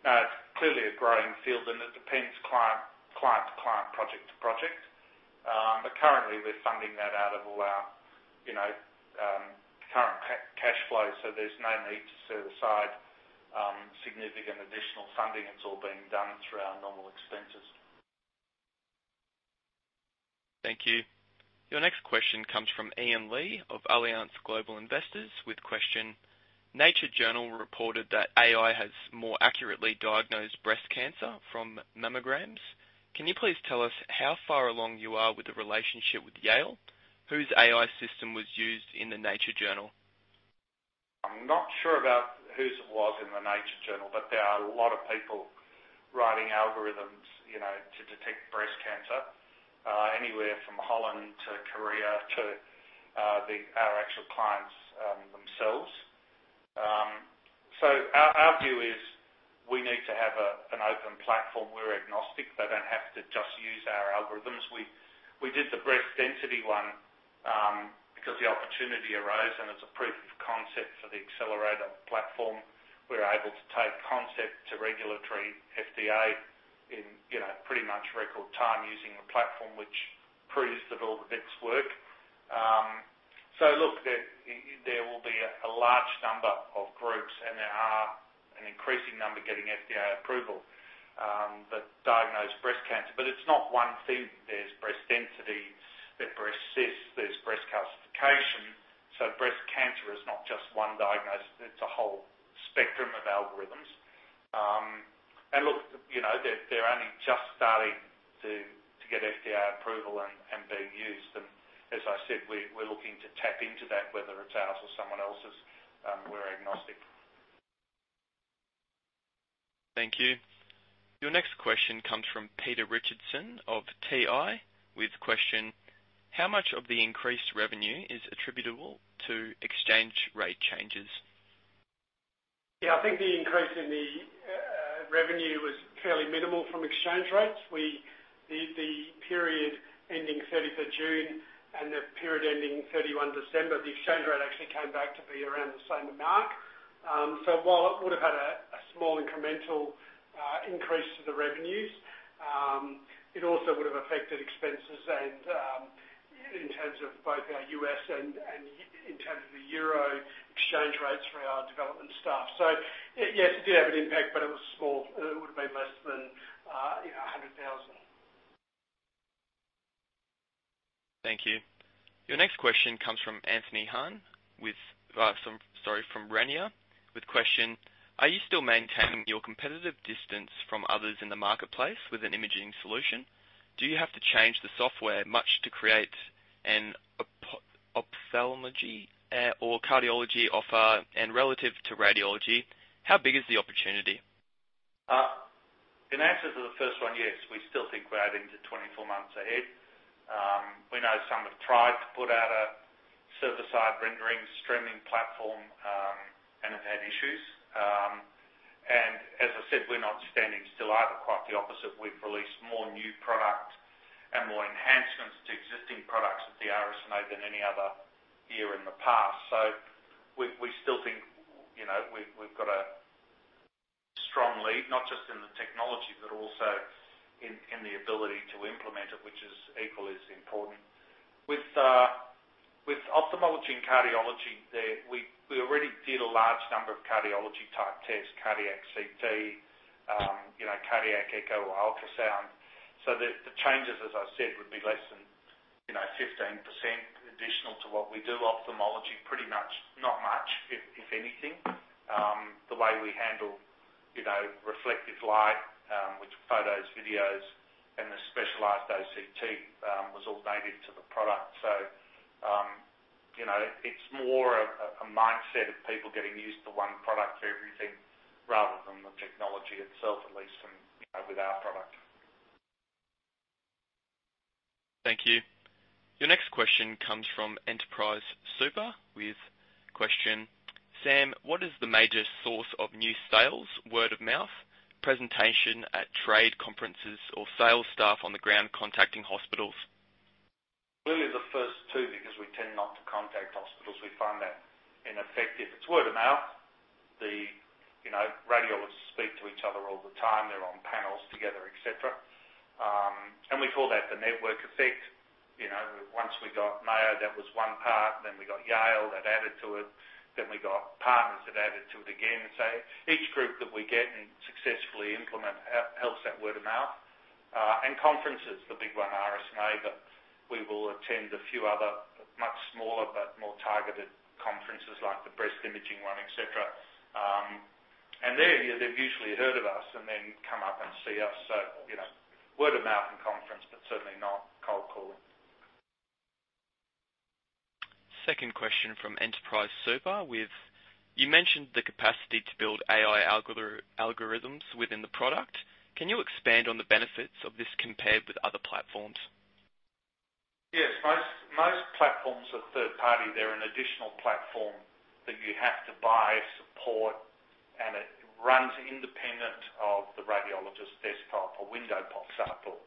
It's clearly a growing field, and it depends client to client, project to project. But currently, we're funding that out of all our current cash flow. So there's no need to set aside significant additional funding. It's all being done through our normal expenses. Thank you. Your next question comes from Ian Lee of Allianz Global Investors with question, "Nature journal reported that AI has more accurately diagnosed breast cancer from mammograms. Can you please tell us how far along you are with the relationship with Yale? Whose AI system was used in the Nature journal? I'm not sure about whose it was in the Nature journal, but there are a lot of people writing algorithms to detect breast cancer anywhere from Holland to Korea to our actual clients themselves. So our view is we need to have an open platform. We're agnostic. They don't have to just use our algorithms. We did the breast density one because the opportunity arose, and it's a proof of concept for the accelerator platform. We're able to take concept to regulatory FDA in pretty much record time using the platform, which proves that all the bits work. So look, there will be a large number of groups, and there are an increasing number getting FDA approval that diagnose breast cancer. But it's not one thing. There's breast density. There's breast cysts. There's breast calcification. So breast cancer is not just one diagnosis. It's a whole spectrum of algorithms. Look, they're only just starting to get FDA approval and being used. As I said, we're looking to tap into that, whether it's ours or someone else's. We're agnostic. Thank you. Your next question comes from Peter Richardson of TI with question, "How much of the increased revenue is attributable to exchange rate changes? Yeah. I think the increase in the revenue was fairly minimal from exchange rates. The period ending 30th of June and the period ending 31st December, the exchange rate actually came back to be around the same amount. So while it would have had a small incremental increase to the revenues, it also would have affected expenses in terms of both our U.S. and in terms of the euro exchange rates for our development staff. So yes, it did have an impact, but it was small. It would have been less than 100,000. Thank you. Your next question comes from Anthony and, sorry, from Rania with question, "Are you still maintaining your competitive distance from others in the marketplace with an imaging solution? Do you have to change the software much to create an ophthalmology or cardiology offer and relative to radiology? How big is the opportunity? In answer to the first one, yes, we still think we're adding to 24 months ahead. We know some have tried to put out a server-side rendering streaming platform and have had issues. As I said, we're not standing still either. Quite the opposite. We've released more new product and more enhancements to existing products at the RSNA than any other year in the past. So we still think we've got a strong lead, not just in the technology, but also in the ability to implement it, which is equally as important. With ophthalmology and cardiology, we already did a large number of cardiology-type tests, cardiac CT, cardiac echo, or ultrasound. So the changes, as I said, would be less than 15% additional to what we do. Ophthalmology, pretty much not much, if anything. The way we handle reflective light with photos, videos, and the specialized OCT was all native to the product. So it's more a mindset of people getting used to one product for everything rather than the technology itself, at least with our product. Thank you. Your next question comes from Enterprise Super with question, "Sam, what is the major source of new sales, word of mouth, presentation at trade conferences, or sales staff on the ground contacting hospitals? Really, the first two because we tend not to contact hospitals. We find that ineffective. It's word of mouth. The radiologists speak to each other all the time. They're on panels together, etc., and we call that the network effect. Once we got Mayo, that was one part, then we got Yale that added to it, then we got Partners that added to it again, so each group that we get and successfully implement helps that word of mouth, and conference is the big one, RSNA, but we will attend a few other much smaller but more targeted conferences like the breast imaging one, etc., and they've usually heard of us and then come up and see us, so word of mouth and conference, but certainly not cold calling. Second question from Enterprise Super with: "You mentioned the capacity to build AI algorithms within the product. Can you expand on the benefits of this compared with other platforms? Yes. Most platforms are third-party. They're an additional platform that you have to buy support, and it runs independent of the radiologist's desktop. A window pops up or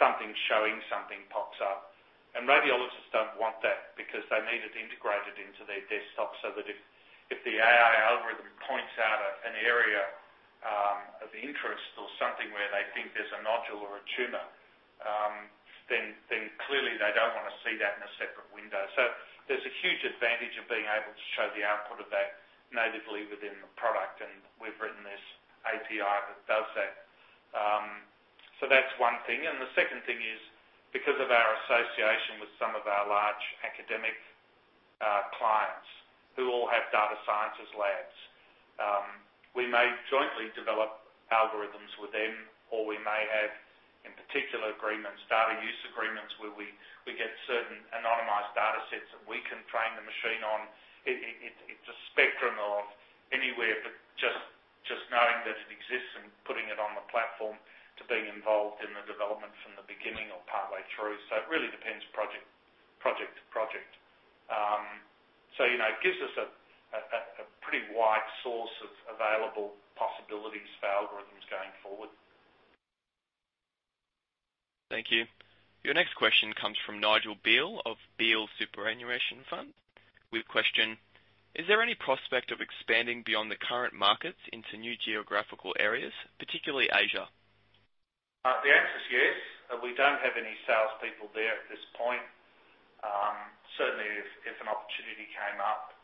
something showing, something pops up, and radiologists don't want that because they need it integrated into their desktop so that if the AI algorithm points out an area of interest or something where they think there's a nodule or a tumor, then clearly they don't want to see that in a separate window, so there's a huge advantage of being able to show the output of that natively within the product, and we've written this API that does that, so that's one thing. The second thing is because of our association with some of our large academic clients who all have data sciences labs, we may jointly develop algorithms with them, or we may have, in particular, agreements, data use agreements where we get certain anonymized data sets that we can train the machine on. It's a spectrum of anywhere, but just knowing that it exists and putting it on the platform to being involved in the development from the beginning or partway through. It really depends project to project. It gives us a pretty wide source of available possibilities for algorithms going forward. Thank you. Your next question comes from Nigel Beale of Beale Superannuation Fund with question, "Is there any prospect of expanding beyond the current markets into new geographical areas, particularly Asia? The answer is yes. We don't have any salespeople there at this point. Certainly, if an opportunity came up,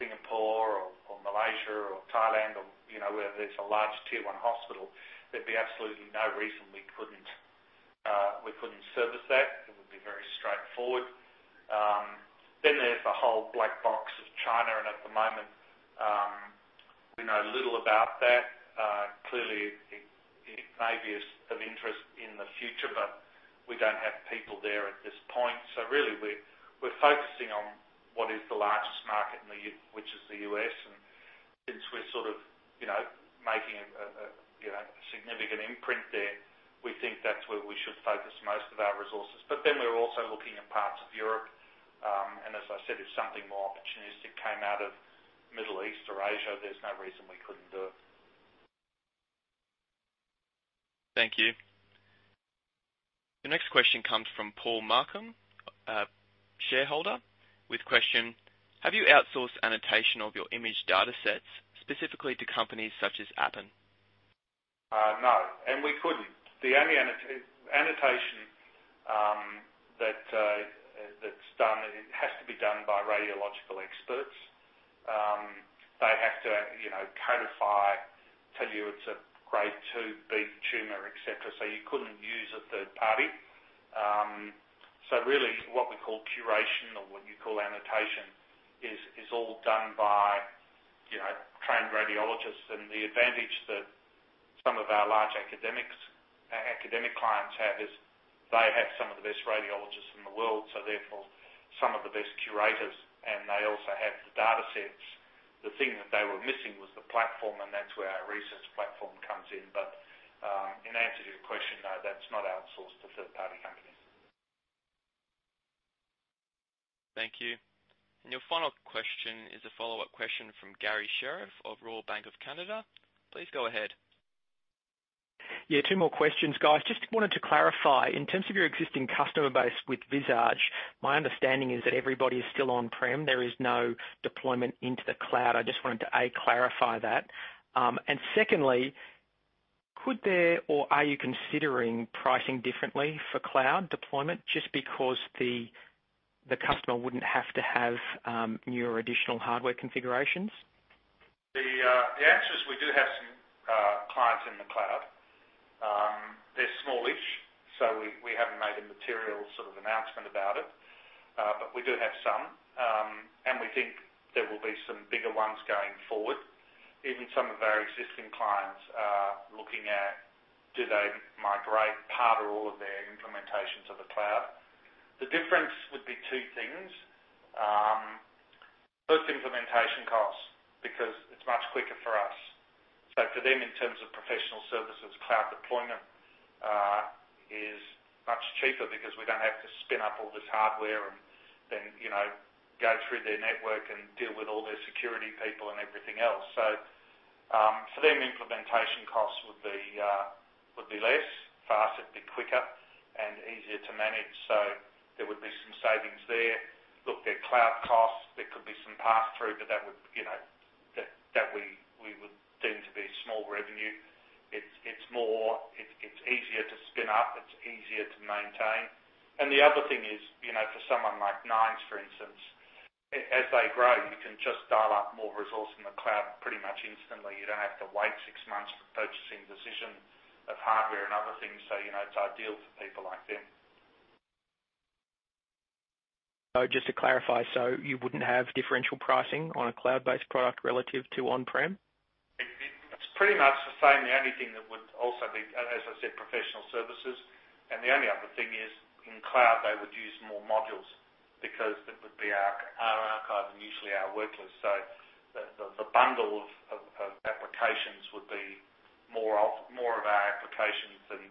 Singapore or Malaysia or Thailand or wherever there's a large tier-one hospital, there'd be absolutely no reason we couldn't service that. It would be very straightforward, then there's the whole black box of China, and at the moment, we know little about that. Clearly, it may be of interest in the future, but we don't have people there at this point, so really, we're focusing on what is the largest market, which is the U.S., and since we're sort of making a significant imprint there, we think that's where we should focus most of our resources, but then we're also looking at parts of Europe, and as I said, if something more opportunistic came out of the Middle East or Asia, there's no reason we couldn't do it. Thank you. Your next question comes from Paul Markham, shareholder, with question, "Have you outsourced annotation of your image data sets specifically to companies such as Appen? No, and we couldn't. The only annotation that's done has to be done by radiological experts. They have to codify, tell you it's a grade 2B tumor, etc., so you couldn't use a third party, so really, what we call curation or what you call annotation is all done by trained radiologists, and the advantage that some of our large academic clients have is they have some of the best radiologists in the world, so therefore some of the best curators, and they also have the data sets. The thing that they were missing was the platform, and that's where our research platform comes in, but in answer to your question, no, that's not outsourced to third-party companies. Thank you. And your final question is a follow-up question from Garry Sherriff of Royal Bank of Canada. Please go ahead. Yeah. Two more questions, guys. Just wanted to clarify. In terms of your existing customer base with Visage, my understanding is that everybody is still on-prem. There is no deployment into the cloud. I just wanted to A, clarify that. And secondly, could there or are you considering pricing differently for cloud deployment just because the customer wouldn't have to have new or additional hardware configurations? The answer is we do have some clients in the cloud. They're small-ish, so we haven't made a material sort of announcement about it, but we do have some, and we think there will be some bigger ones going forward. Even some of our existing clients are looking at, do they migrate part or all of their implementation to the cloud? The difference would be two things. First, implementation costs because it's much quicker for us. So for them, in terms of professional services, cloud deployment is much cheaper because we don't have to spin up all this hardware and then go through their network and deal with all their security people and everything else, so for them, implementation costs would be less. For us, it'd be quicker and easier to manage, so there would be some savings there. Look, their cloud costs, there could be some pass-through, but that we would deem to be small revenue. It's easier to spin up. It's easier to maintain. And the other thing is for someone like Nines, for instance, as they grow, you can just dial up more resources in the cloud pretty much instantly. You don't have to wait six months for purchasing decision of hardware and other things. So it's ideal for people like them. So just to clarify, so you wouldn't have differential pricing on a cloud-based product relative to on-prem? It's pretty much the same. The only thing that would also be, as I said, professional services. And the only other thing is in cloud, they would use more modules because that would be our archive and usually our worklist. So the bundle of applications would be more of our applications than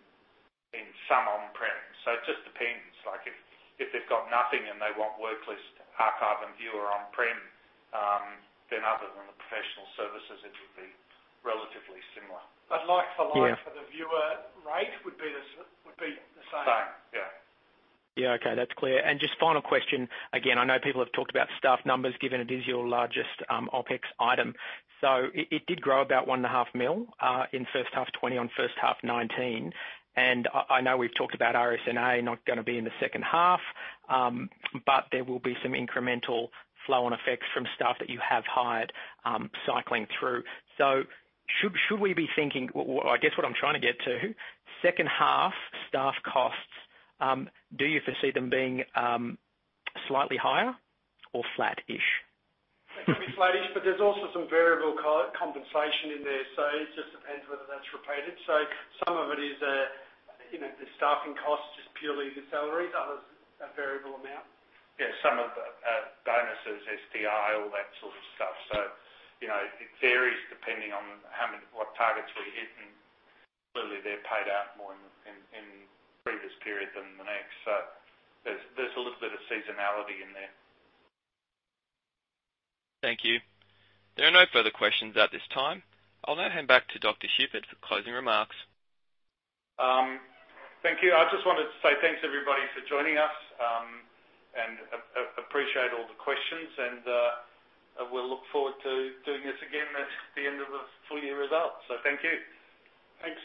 in some on-prem. So it just depends. If they've got nothing and they want worklist, archive, and viewer on-prem, then other than the professional services, it would be relatively similar. But like for like, for the viewer rate would be the same. Same. Yeah. Yeah. Okay. That's clear. And just final question. Again, I know people have talked about staff numbers given it is your largest OpEx item. So it did grow about 1.5 million in first half 2020 on first half 2019. And I know we've talked about RSNA not going to be in the second half, but there will be some incremental flow-on effects from staff that you have hired cycling through. So should we be thinking I guess what I'm trying to get to, second half staff costs, do you foresee them being slightly higher or flat-ish? They could be flat-ish, but there's also some variable compensation in there. So it just depends whether that's repeated. So some of it is the staffing costs just purely the salaries. Others are variable amount. Yeah. Some of the bonuses, STI, all that sort of stuff. So it varies depending on what targets we hit. And clearly, they're paid out more in the previous period than the next. So there's a little bit of seasonality in there. Thank you. There are no further questions at this time. I'll now hand back to Dr. Hupert for closing remarks. Thank you. I just wanted to say thanks, everybody, for joining us and appreciate all the questions, and we'll look forward to doing this again at the end of the full year results, so thank you. Thanks.